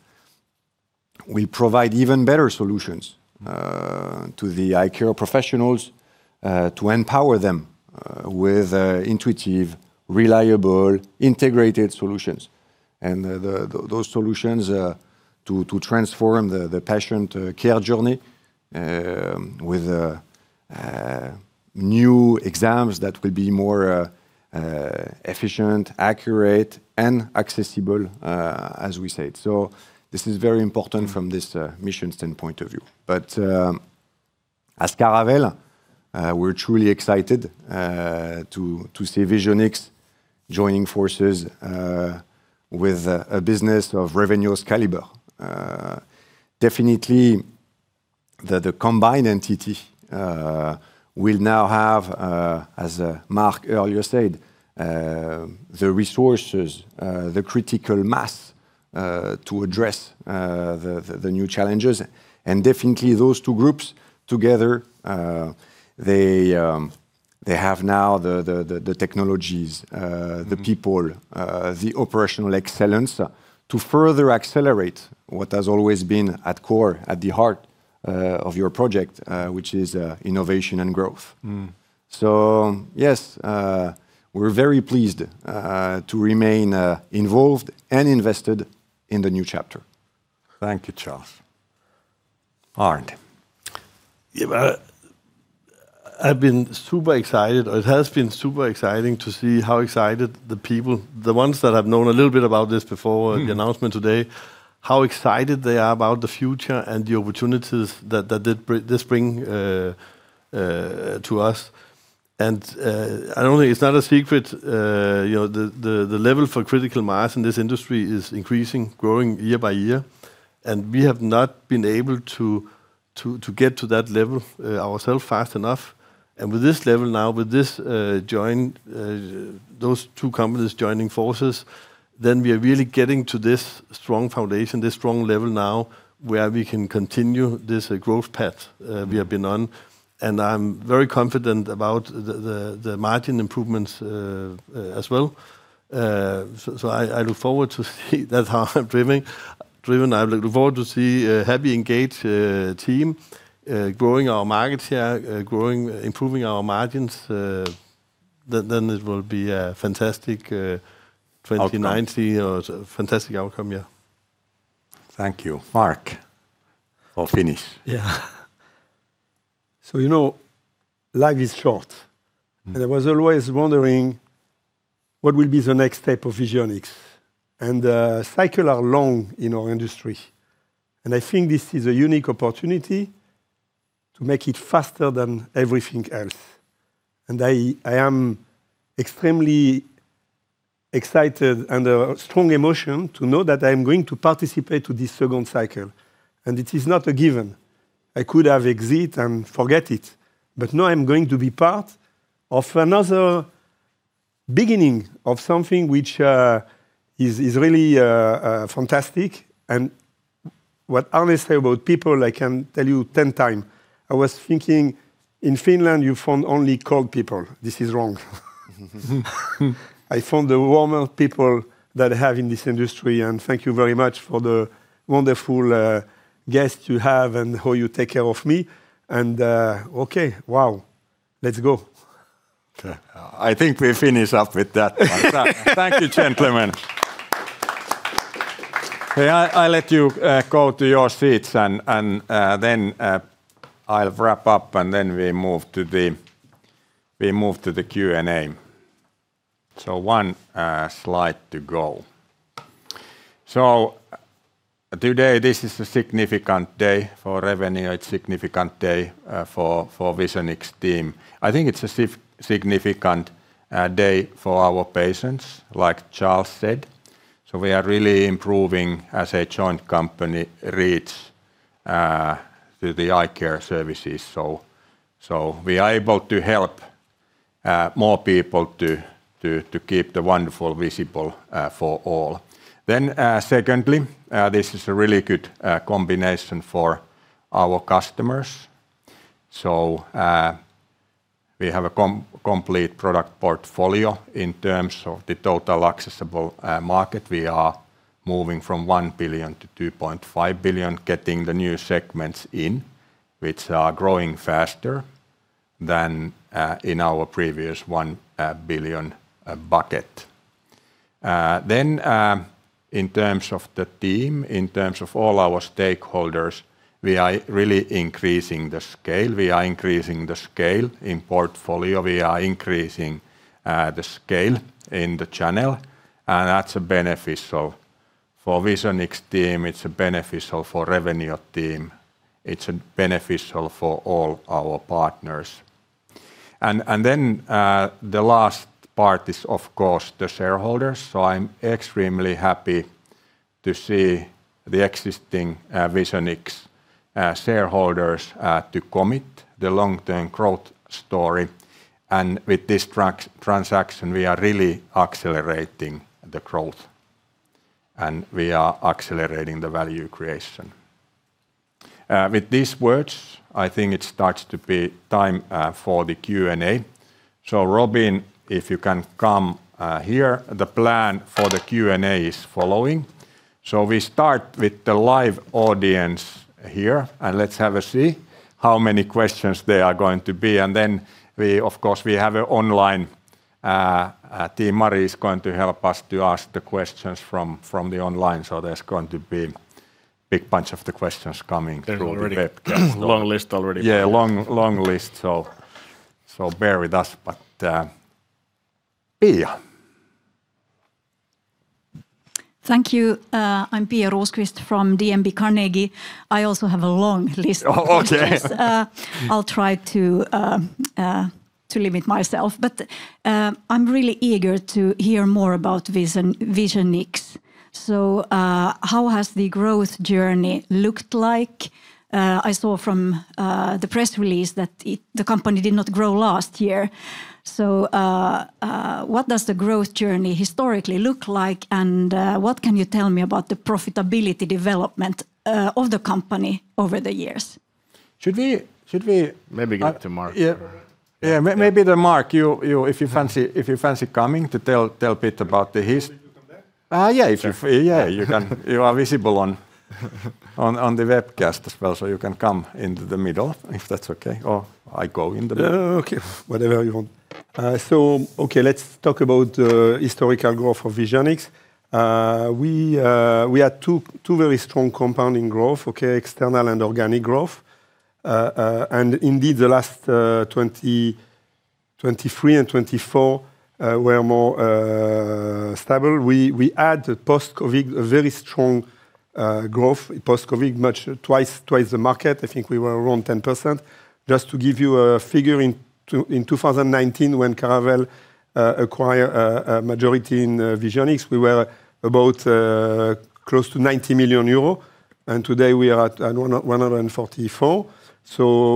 we provide even better solutions to the eye care professionals, to empower them with intuitive, reliable, integrated solutions. Those solutions to transform the patient care journey, with new exams that will be more efficient, accurate and accessible, as we said. This is very important from this mission standpoint of view. As Caravelle, we're truly excited to see Visionix joining forces with a business of Revenio's caliber. Definitely, the combined entity will now have, as Marc earlier said, the resources, the critical mass to address the new challenges, and definitely those two groups together, they have now the technologies, the people, the operational excellence to further accelerate what has always been at core, at the heart. Of your project, which is innovation and growth. Yes, we're very pleased to remain involved and invested in the new chapter. Thank you, Charles. Arne. I've been super excited, or it has been super exciting to see how excited the people, the ones that have known a little bit about this before. Mm. The announcement today, how excited they are about the future and the opportunities that this bring to us. I don't think, it's not a secret, the level for critical mass in this industry is increasing, growing year by year. We have not been able to get to that level ourself fast enough. With this level now, with those two companies joining forces, then we are really getting to this strong foundation, this strong level now where we can continue this growth path we have been on. I'm very confident about the margin improvements as well. I look forward to see a happy, engaged team growing our market share, improving our margins. Then it will be fantastic... Outcome. A fantastic outcome. Yeah. Thank you. Marc, I'll finish. Yeah. Life is short. Mm. I was always wondering what will be the next step of Visionix, and cycles are long in our industry. I think this is a unique opportunity to make it faster than everything else. I am extremely excited and a strong emotion to know that I am going to participate to this second cycle. It is not a given. I could have exit and forget it, but no, I'm going to be part of another beginning of something which is really fantastic. What Arne say about people, I can tell you 10x. I was thinking in Finland you found only cold people. This is wrong. I found the warmer people that I have in this industry, and thank you very much for the wonderful guests you have and how you take care of me. Okay. Wow. Let's go. Okay. I think we finish up with that. Thank you, gentlemen. I'll let you go to your seats, and then I'll wrap up, and then we move to the Q&A. One slide to go. Today, this is a significant day for Revenio. It's significant day for Visionix team. I think it's a significant day for our patients, like Charles said. We are really improving as a joint company reach to the eye care services. We are able to help more people to keep the wonderful visible for all. Secondly, this is a really good combination for our customers. We have a complete product portfolio in terms of the total accessible market. We are moving from 1 billion-2.5 billion, getting the new segments in, which are growing faster than in our previous 1 billion bucket. In terms of the team, in terms of all our stakeholders, we are really increasing the scale. We are increasing the scale in portfolio, we are increasing the scale in the channel, and that's beneficial for Visionix team. It's beneficial for Revenio team. It's beneficial for all our partners. The last part is of course the shareholders. I'm extremely happy to see the existing Visionix shareholders to commit the long-term growth story. With this transaction, we are really accelerating the growth, and we are accelerating the value creation. With these words, I think it starts to be time for the Q&A. Robin, if you can come here, the plan for the Q&A is following. We start with the live audience here, and let's have a see how many questions there are going to be. Of course we have online. Team Mari is going to help us to ask the questions from the online. There's going to be big bunch of the questions coming through. There's already a long list already. Yeah, long list, so bear with us. Pia. Thank you. I'm Pia Rosqvist from DNB Carnegie. I also have a long list of questions. Oh, okay. I'll try to limit myself. I'm really eager to hear more about Visionix. How has the growth journey looked like? I saw from the press release that the company did not grow last year. What does the growth journey historically look like? What can you tell me about the profitability development of the company over the years? Should we? Maybe give it to Marc. Yeah. Maybe Marc, if you fancy coming to tell bit about the, you are visible on the webcast as well, so you can come into the middle, if that's okay, or I go in the middle. Whatever you want. Okay, let's talk about the historical growth of Visionix. We had two very strong compounding growth, external and organic growth. Indeed, the last 2023 and 2024 were more stable. We had post-COVID, a very strong growth post-COVID, much twice the market. I think we were around 10%. Just to give you a figure, in 2019, when Caravelle acquire a majority in Visionix, we were about close to 90 million euro, and today we are at 144.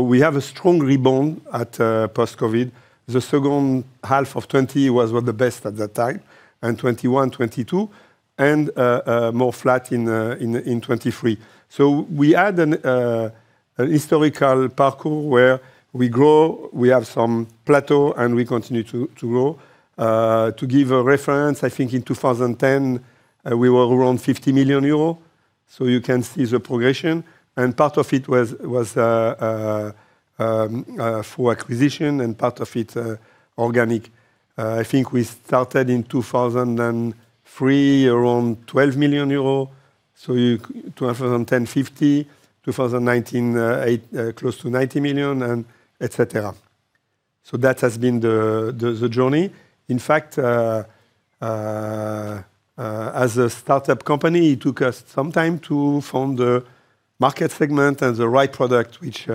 We have a strong rebound at post-COVID. The second half of 2020 was the best at that time, and 2021, 2022, and more flat in 2023. We had an historical pattern where we grow, we have some plateau, and we continue to grow. To give a reference, I think in 2010, we were around 50 million euros. You can see the progression, and part of it was for acquisition and part of it organic. I think we started in 2003, around 12 million euros. 2010, 50, 2019, close to 90 million, etc. That has been the journey. In fact, as a startup company, it took us some time to find the market segment and the right product, which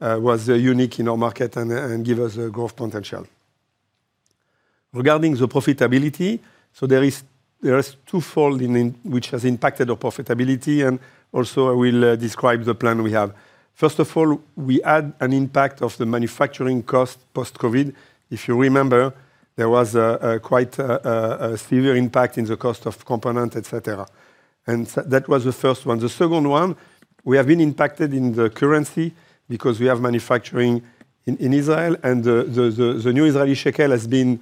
was unique in our market and give us a growth potential. Regarding the profitability, there is twofold which has impacted our profitability, and I will describe the plan we have. First of all, we had an impact of the manufacturing cost post-COVID. If you remember, there was quite a severe impact in the cost of component, etc., and that was the first one. The second one, we have been impacted in the currency because we have manufacturing in Israel, and the new Israeli shekel, it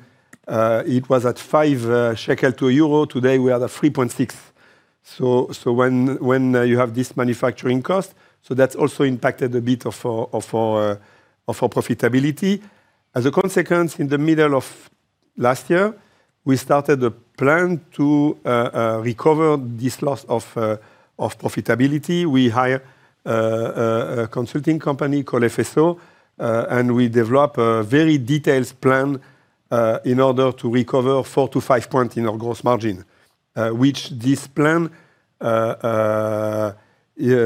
was at 5 shekel to EURO. Today, we are at 3.6. When you have this manufacturing cost, so that's also impacted a bit of our profitability. As a consequence, in the middle of last year, we started a plan to recover this loss of profitability. We hire a consulting company called FSO, and we develop a very detailed plan in order to recover four-five points in our gross margin, which this plan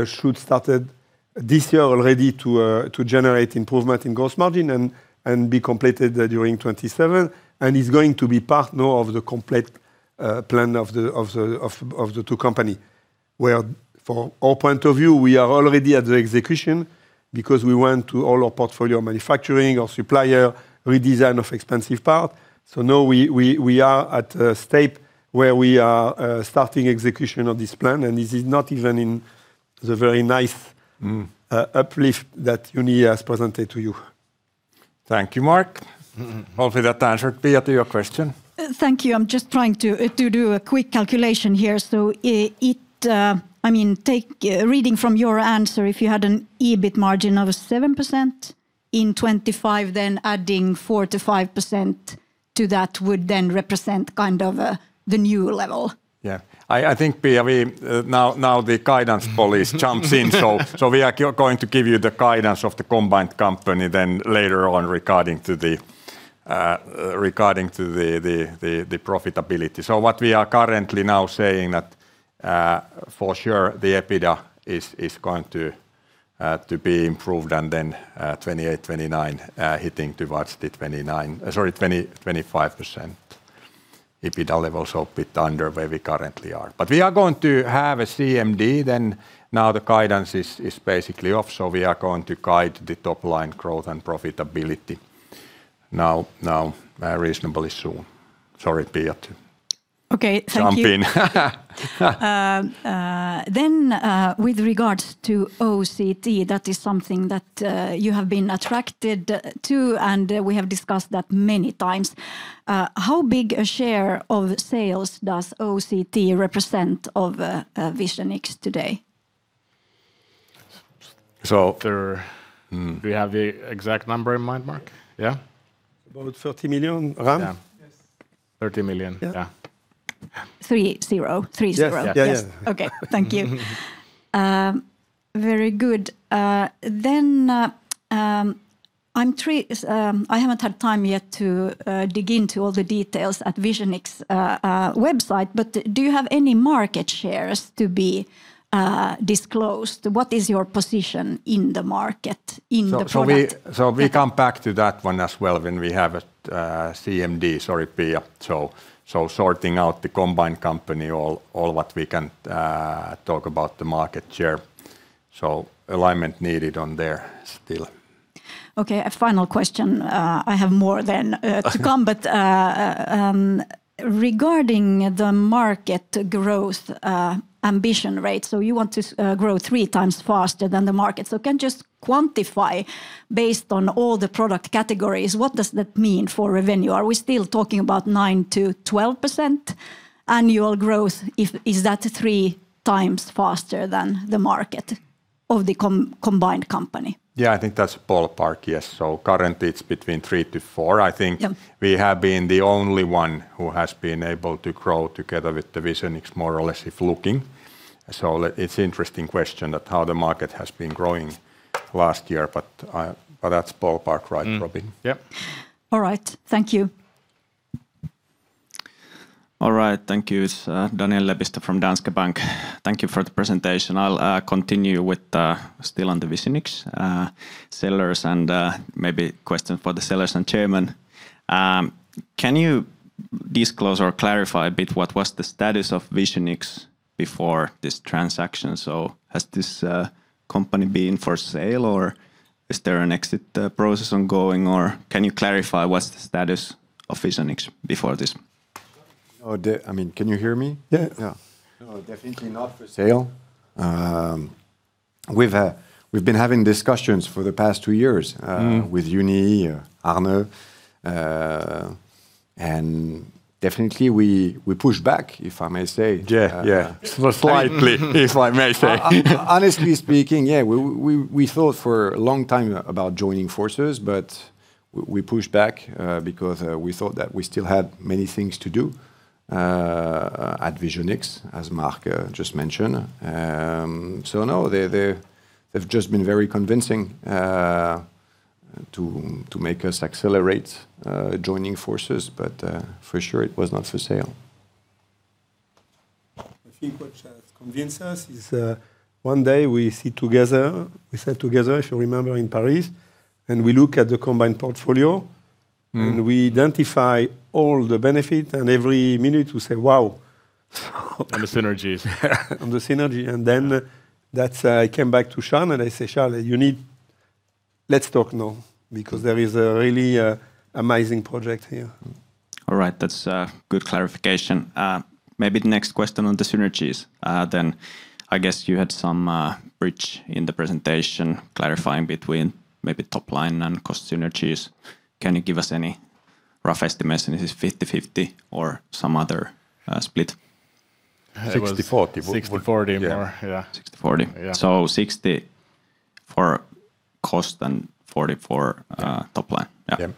should started this year already to generate improvement in gross margin and be completed during 2027 and is going to be part now of the complete plan of the two company, where from our point of view, we are already at the execution because we went to all our portfolio manufacturing, our supplier, redesign of expensive part. Now we are at a state where we are starting execution of this plan, and this is not even in the very nice uplift that Jouni has presented to you. Thank you, Marc. Hopefully that answered, Pia, to your question. Thank you. I'm just trying to do a quick calculation here. Reading from your answer, if you had an EBIT margin of 7% in 2025, then adding 4%-5% to that would then represent kind of the new level. Yeah. I think, Pia, now the guidance police jumps in. We are going to give you the guidance of the combined company then later on regarding to the profitability. What we are currently now saying that for sure the EBITDA is going to be improved and then 2028-2029 hitting towards the 25% EBITDA level, so a bit under where we currently are. We are going to have a CMD then now the guidance is basically off, so we are going to guide the top line growth and profitability now reasonably soon. Sorry, Pia. Okay. Thank you. Jumping. With regards to OCT, that is something that you have been attracted to, and we have discussed that many times. How big a share of sales does OCT represent of Visionix today? Do we have the exact number in mind, Marc? Yeah. About 30 million, around. 30 million, yeah. 30? Yes. Okay. Thank you. Very good. I haven't had time yet to dig into all the details at Visionix website, but do you have any market shares to be disclosed? What is your position in the market in the product? We come back to that one as well when we have CMD. Sorry, Pia. Sorting out the combined company, all what we can talk about the market share. Alignment needed on there still. Okay. A final question. I have more then to come. Regarding the market growth ambition rate, you want to grow 3x faster than the market. Can you just quantify, based on all the product categories, what does that mean for revenue? Are we still talking about 9%-12% annual growth? Is that 3x faster than the market? Of the combined company. Yeah, I think that's ballpark. Yes. Currently it's between three to four. Yeah. I think we have been the only one who has been able to grow together with the Visionix more or less if looking. It's interesting question that how the market has been growing last year, but that's ballpark, right, Robin? Mm-hmm. Yep. All right. Thank you. All right. Thank you. It's Daniel Lepistö from Danske Bank. Thank you for the presentation. I'll continue still on the Visionix sellers and maybe question for the sellers and Chairman. Can you disclose or clarify a bit what was the status of Visionix before this transaction? Has this company been for sale, or is there an exit process ongoing, or can you clarify what's the status of Visionix before this? Can you hear me? Yeah. Yeah. No, definitely not for sale. We've been having discussions for the past two years. Mm-hmm with Jouni, Arne, and definitely we pushed back, if I may say. Yeah, slightly, if I may say. Honestly speaking, yeah, we thought for a long time about joining forces, but we pushed back because we thought that we still had many things to do at Visionix, as Marc just mentioned. No. They've just been very convincing to make us accelerate joining forces. For sure, it was not for sale. I think what has convinced us is one day we sit together. We sat together, if you remember, in Paris, and we look at the combined portfolio. Mm-hmm We identify all the benefit, and every minute we say, "Wow". On the synergies. On the synergy, I came back to Charles and I say, "Charles, let's talk now," because there is a really amazing project here". All right. That's a good clarification. Maybe the next question on the synergies then, I guess you had some bridge in the presentation clarifying between maybe top-line and cost synergies. Can you give us any rough estimation? Is this 50/50 or some other split? 60/40. 60/40 more. Yeah. 60/40? Yeah. 60 for cost and 40 for top line? Yeah.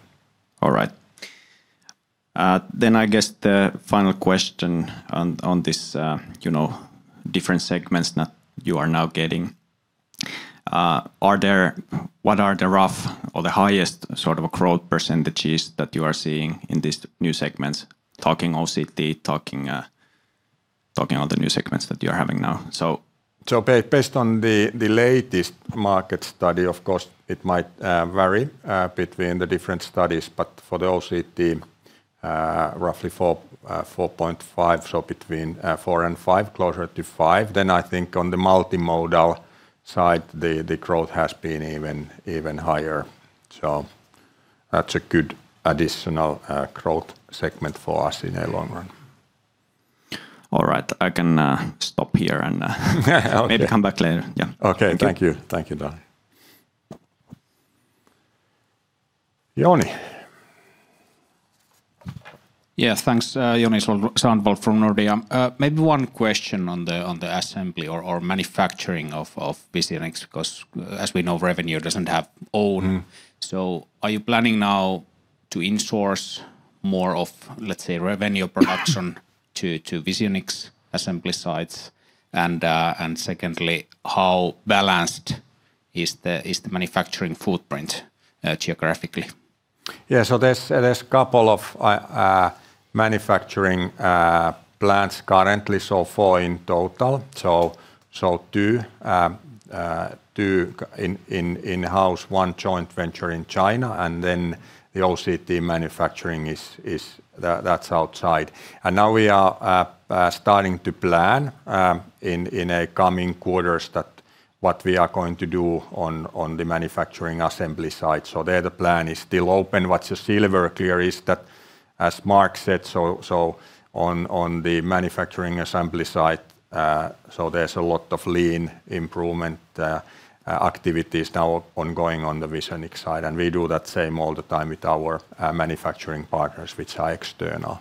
All right. I guess the final question on this different segments that you are now getting. What are the rough or the highest sort of the growth percentages that you are seeing in these new segments, talking OCT, talking all the new segments that you're having now? Based on the latest market study, of course, it might vary between the different studies. For the OCT, roughly 4.5%, so between 4% and 5%, closer to 5%. I think on the multimodal side, the growth has been even higher. That's a good additional growth segment for us in the long run. Alright. I can stop here. Okay. Maybe come back later. Yeah. Okay. Thank you. Thank you, Daniel. Joni. Yeah. Thank you. Joni Sandvall from Nordea. Maybe one question on the assembly or manufacturing of Visionix, because as we know, Revenio doesn't have own. Mm-hmm. Are you planning now to insource more of, let's say, Revenio production to Visionix assembly sites? Secondly, how balanced is the manufacturing footprint geographically? There's a couple of manufacturing plants currently, so four in total. Two in-house, one joint venture in China, and then the OCT manufacturing is outside. Now we are starting to plan in coming quarters that what we are going to do on the manufacturing assembly site. There the plan is still open. What's still very clear is that as Mark said, on the manufacturing assembly site, there's a lot of lean improvement activities now ongoing on the Visionix side. We do that same all the time with our manufacturing partners, which are external.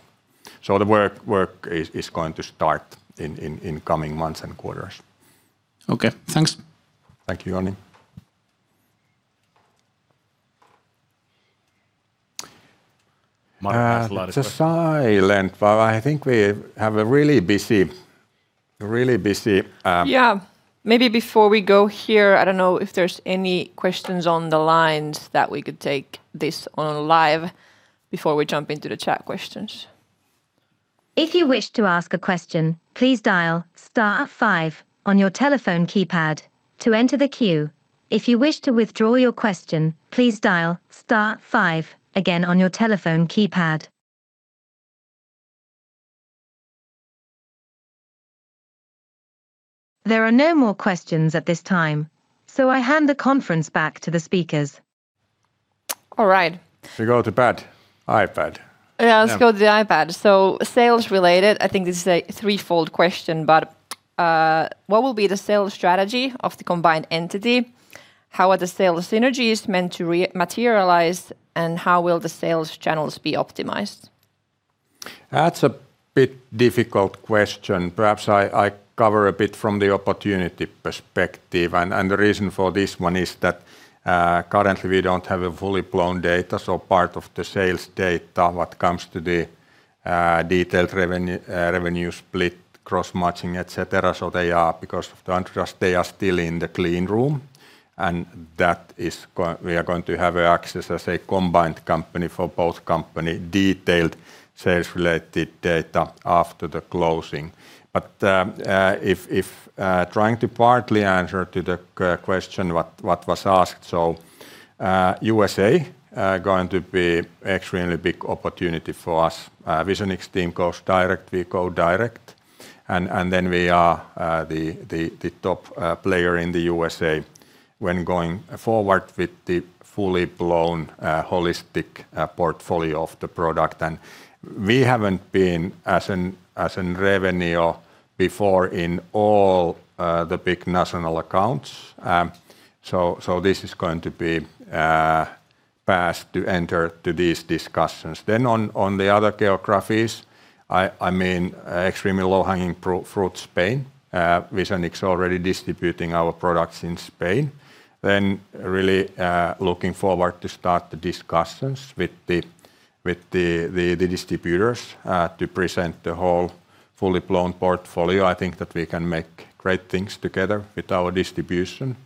The work is going to start in coming months and quarters. Okay. Thanks. Thank you, Joni. Mark has a lot of questions. It's silent, but I think we have a really busy. Yeah. Maybe before we go here, I don't know if there's any questions on the lines that we could take this on live before we jump into the chat questions. If you wish to ask a question, please dial star five on your telephone keypad to enter the queue. If you wish to withdraw your question, please dial star five again on your telephone keypad. There are no more questions at this time, so I hand the conference back to the speakers. All right. Should we go to pad? iPad. Yeah. Yeah. Let's go to the iPad. Sales related, I think this is a threefold question, but what will be the sales strategy of the combined entity? How are the sales synergies meant to materialize, and how will the sales channels be optimized? That's a bit difficult question. Perhaps, I cover a bit from the opportunity perspective. The reason for this one is that currently we don't have a fully blown data, so part of the sales data, what comes to the detailed revenue split, cross-matching, etc. Because of the antitrust, they are still in the clean room, and we are going to have access, as a combined company for both company, detailed sales-related data after the closing. If trying to partly answer to the question what was asked, USA going to be extremely big opportunity for us. Visionix team goes direct, we go direct, and then we are the top player in the USA when going forward with the fully blown holistic portfolio of the product. We haven't been, as in Revenio, before in all the big national accounts. This is going to be passed to enter to these discussions. On the other geographies, extremely low-hanging fruit, Spain. Visionix is already distributing our products in Spain. I am really looking forward to start the discussions with the distributors to present the whole fully blown portfolio. I think that we can make great things together with our distribution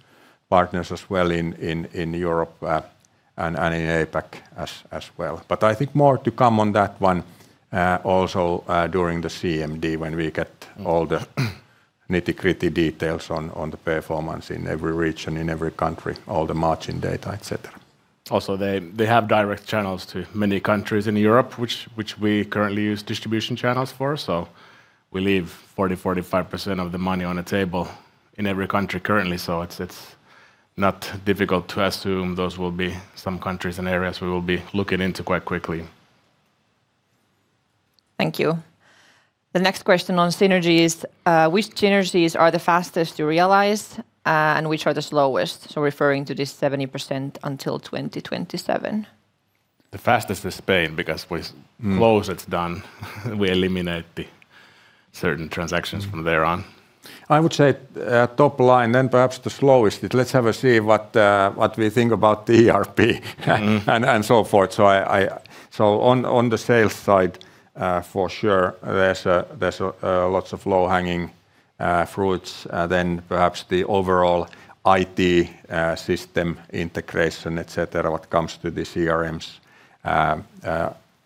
partners as well in Europe and in APAC as well. I think more to come on that one also during the CMD, when we get all the nitty-gritty details on the performance in every region, in every country, all the matching data, etc. Also, they have direct channels to many countries in Europe, which we currently use distribution channels for. We leave 40%-45% of the money on the table in every country currently. It's not difficult to assume those will be some countries and areas we will be looking into quite quickly. Thank you. The next question on synergy is, which synergies are the fastest to realize, and which are the slowest? So referring to this 70% until 2027. The fastest is Spain because we close. It's done. We eliminate the certain transactions from there on. I would say top line, then perhaps the slowest is let's have a see what we think about the ERP and so forth. On the sales side, for sure, there's lots of low-hanging fruits. Perhaps the overall IT system integration, etc., what comes to the CRMs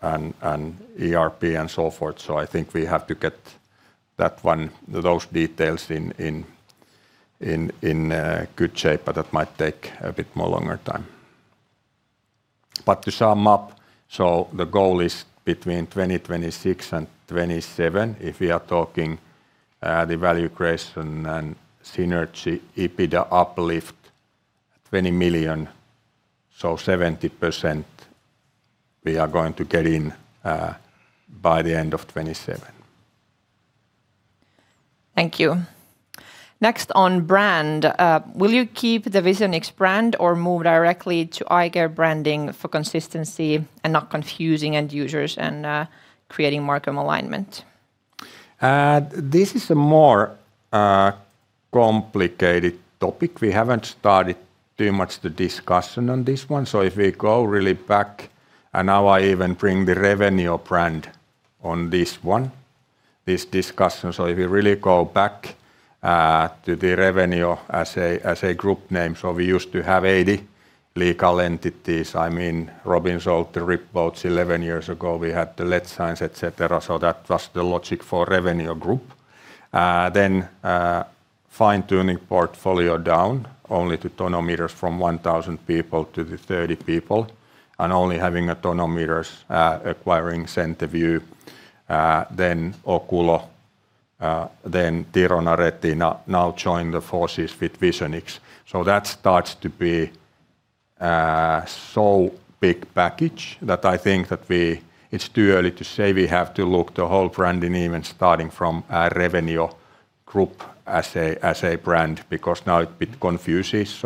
and ERP and so forth. I think we have to get those details in good shape, but that might take a bit more longer time. To sum up, the goal is between 2026 and 2027, if we are talking the value creation and synergy EBITDA uplift 20 million, so 70%, we are going to get in by the end of 2027. Thank you. Next on brand, will you keep the Visionix brand or move directly to iCare branding for consistency and not confusing end users and creating market alignment? This is a more complicated topic. We haven't started too much the discussion on this one. If we go really back, and now I even bring the Revenio brand on this one, this discussion. If you really go back to the Revenio as a group name, so we used to have 80 legal entities. Robin sold the RIB boats 11 years ago. We had the LED signs, etc. That was the logic for Revenio Group. Fine-tuning portfolio down only to tonometers from 1,000 people to the 30 people, and only having a tonometers acquiring CenterVue, then Oculo, then Thirona Retina now join the forces with Visionix. That starts to be so big package that I think that it's too early to say we have to look the whole branding, even starting from a Revenio Group as a brand, because now it bit confuses.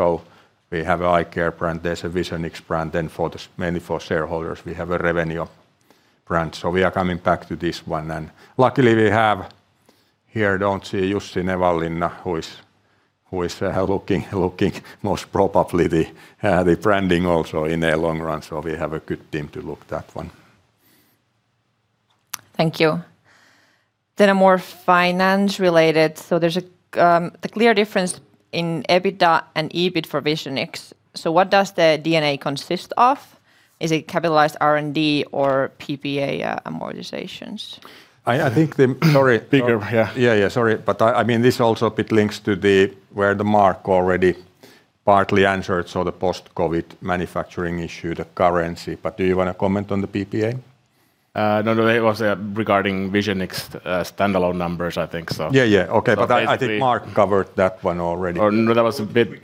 We have iCare brand, there's a Visionix brand, then mainly for shareholders, we have a Revenio brand. We are coming back to this one, and luckily we have here, don't see Jussi Nevanlinna, who is looking most probably the branding also in the long run. We have a good team to look that one. Thank you. Then a more finance related. So there's a clear difference in EBITDA and EBIT for Visionix. So what does the D&A consist of? Is it capitalized R&D or PPA amortizations? Sorry. Bigger, yeah. Yeah. Sorry. I mean, this also a bit links to where Marc already partly answered, so the post-COVID manufacturing issue, the currency. Do you want to comment on the PPA? No, it was regarding Visionix standalone numbers, I think so. Yeah. Okay. I think Marc covered that one already. Oh, no, that was a bit.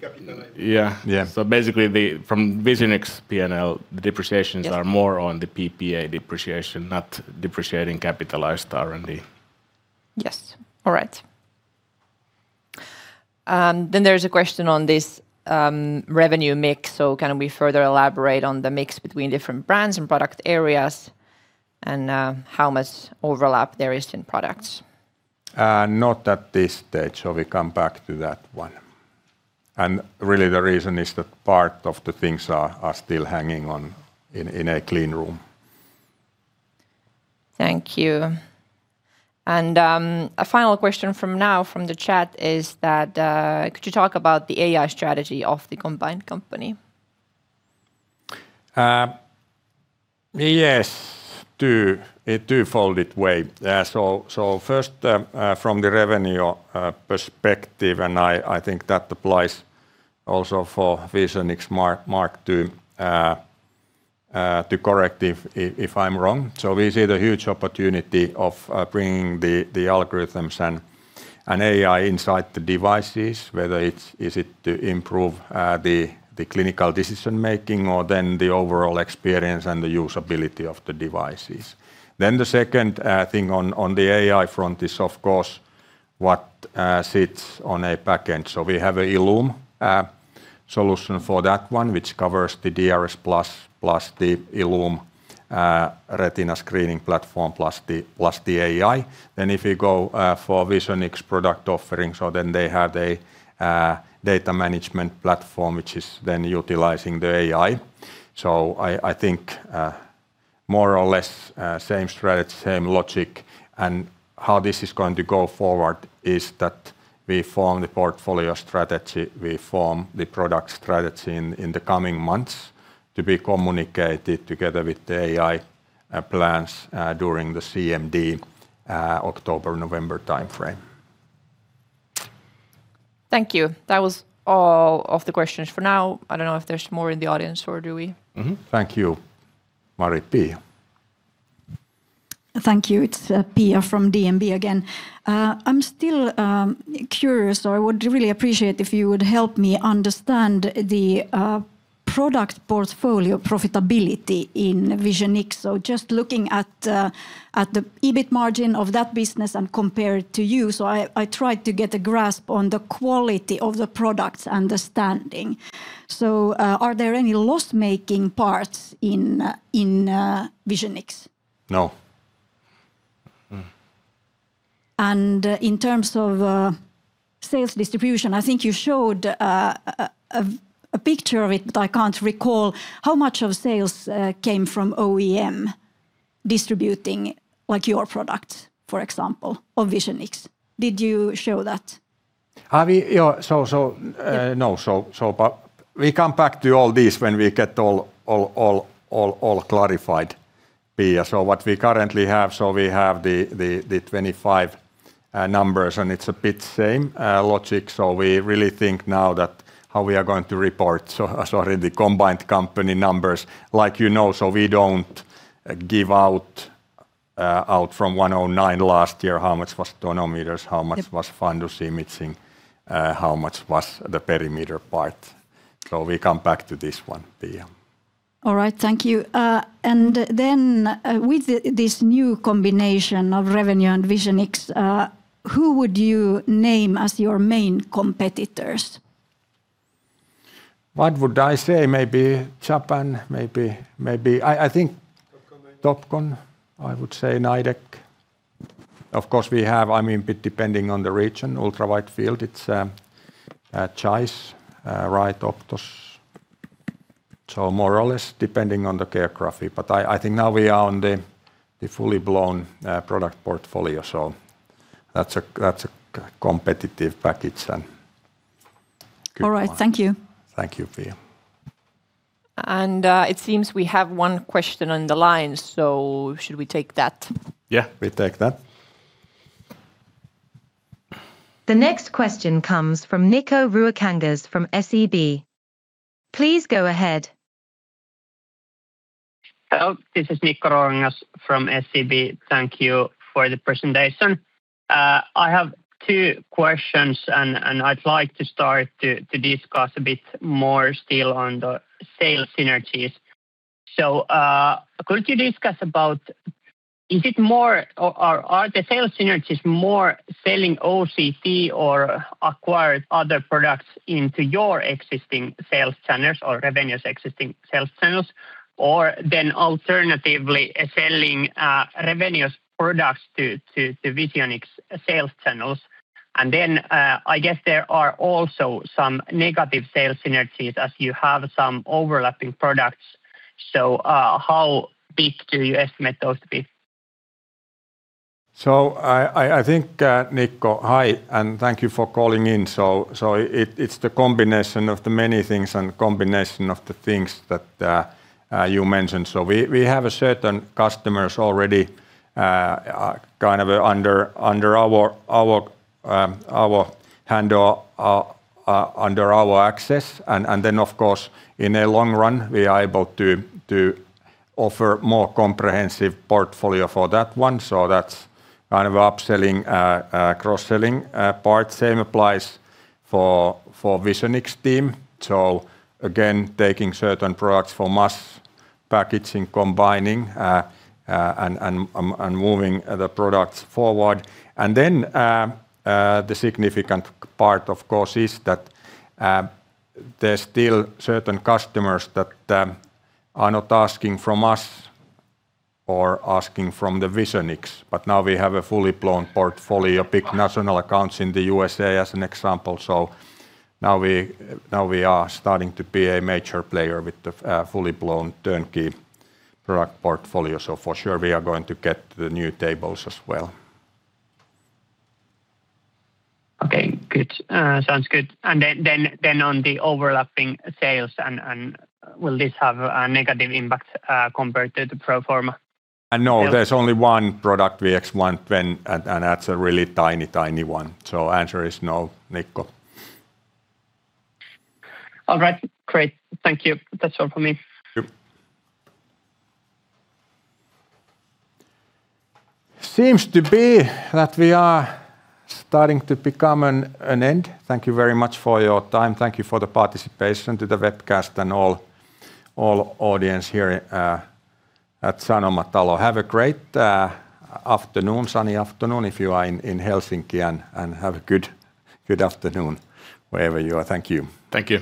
Yeah. Yeah. Basically from Visionix P&L, the depreciations are more on the PPA depreciation, not depreciating capitalized R&D. Yes. All right. There's a question on this revenue mix. Can we further elaborate on the mix between different brands and product areas and how much overlap there is in products? Not at this stage. We'll come back to that one. Really the reason is that part of the things are still hanging on in a clean room. Thank you. A final question for now from the chat is that, could you talk about the AI strategy of the combined company? Twofold way. First, from the revenue perspective, and I think that applies also for Visionix. Marc, do correct me if I'm wrong. We see the huge opportunity of bringing the algorithms and AI inside the devices, whether it is to improve the clinical decision-making or then the overall experience and the usability of the devices. The second thing on the AI front is of course what sits on a back end. We have an ILLUME solution for that one, which covers the DRSplus, plus the ILLUME retina screening platform, plus the AI. If you go for Visionix product offerings, they have a data management platform, which is then utilizing the AI. I think more or less same strategy, same logic. How this is going to go forward is that we form the portfolio strategy, we form the product strategy in the coming months to be communicated together with the AI plans during the CMD October-November timeframe. Thank you. That was all of the questions for now. I don't know if there's more in the audience. Mm-hmm. Thank you, Mari. Pia. Thank you. It's Pia from DNB again. I'm still curious, so I would really appreciate if you would help me understand the product portfolio profitability in Visionix. Just looking at the EBIT margin of that business and compare it to you, I tried to get a grasp on the quality of the product understanding. Are there any loss-making parts in Visionix? No. In terms of sales distribution, I think you showed a picture of it, but I can't recall how much of sales came from OEM distributing your product, for example, of Visionix. Did you show that? Have we? No. We come back to all this when we get all clarified, Pia. What we currently have, we have the 2025 numbers, and it's a bit same logic. We really think now that how we are going to report, sorry, the combined company numbers, like you know. We don't give out from 109 last year how much was tonometers, how much was fundus imaging, how much was the perimeter part. We come back to this one, Pia. All right. Thank you. With this new combination of Revenio and Visionix, who would you name as your main competitors? What would I say? Maybe Japan. I think Topcon, I would say NIDEK. Of course, we have, I mean, a bit depending on the region, Ultra-Widefield, it's ZEISS, right, Optos. More or less depending on the geography. I think now we are on the fully blown product portfolio. That's a competitive package and good one. All right. Thank you. Thank you, Pia. It seems we have one question on the line, so should we take that? Yeah, we take that. The next question comes from Nikko Ruokangas from SEB. Please go ahead. Hello, this is Nikko Ruokangas from SEB. Thank you for the presentation. I have two questions, and I'd like to start to discuss a bit more still on the sales synergies. Could you discuss about, are the sales synergies more selling OCT or acquired other products into your existing sales channels or Revenio's existing sales channels? Alternatively, selling Revenio's products to Visionix's sales channels? I guess there are also some negative sales synergies as you have some overlapping products. How big do you estimate those to be? I think, Nikko, hi, and thank you for calling in. It's the combination of the many things and combination of the things that you mentioned. We have certain customers already kind of under our handle, under our access. Of course, in a long run, we are able to offer more comprehensive portfolio for that one. That's kind of upselling, cross-selling part. Same applies for Visionix team. Again, taking certain products for mass packaging, combining, and moving the products forward. The significant part, of course, is that there's still certain customers that are not asking from us or asking from the Visionix. Now we have a fully blown portfolio, big national accounts in the USA as an example. Now we are starting to be a major player with the fully blown turnkey product portfolio. For sure, we are going to get the new tables as well. Okay, good. Sounds good. On the overlapping sales, will this have a negative impact compared to the pro forma? No, there's only one product VX110, and that's a really tiny, tiny one. The answer is no, Nikko. All right, great. Thank you. That's all for me. Yep. It seems to be that we are starting to become an end. Thank you very much for your time. Thank you for the participation to the webcast and all audience here at Sanomatalo. Have a great afternoon, sunny afternoon if you are in Helsinki, and have a good afternoon wherever you are. Thank you. Thank you.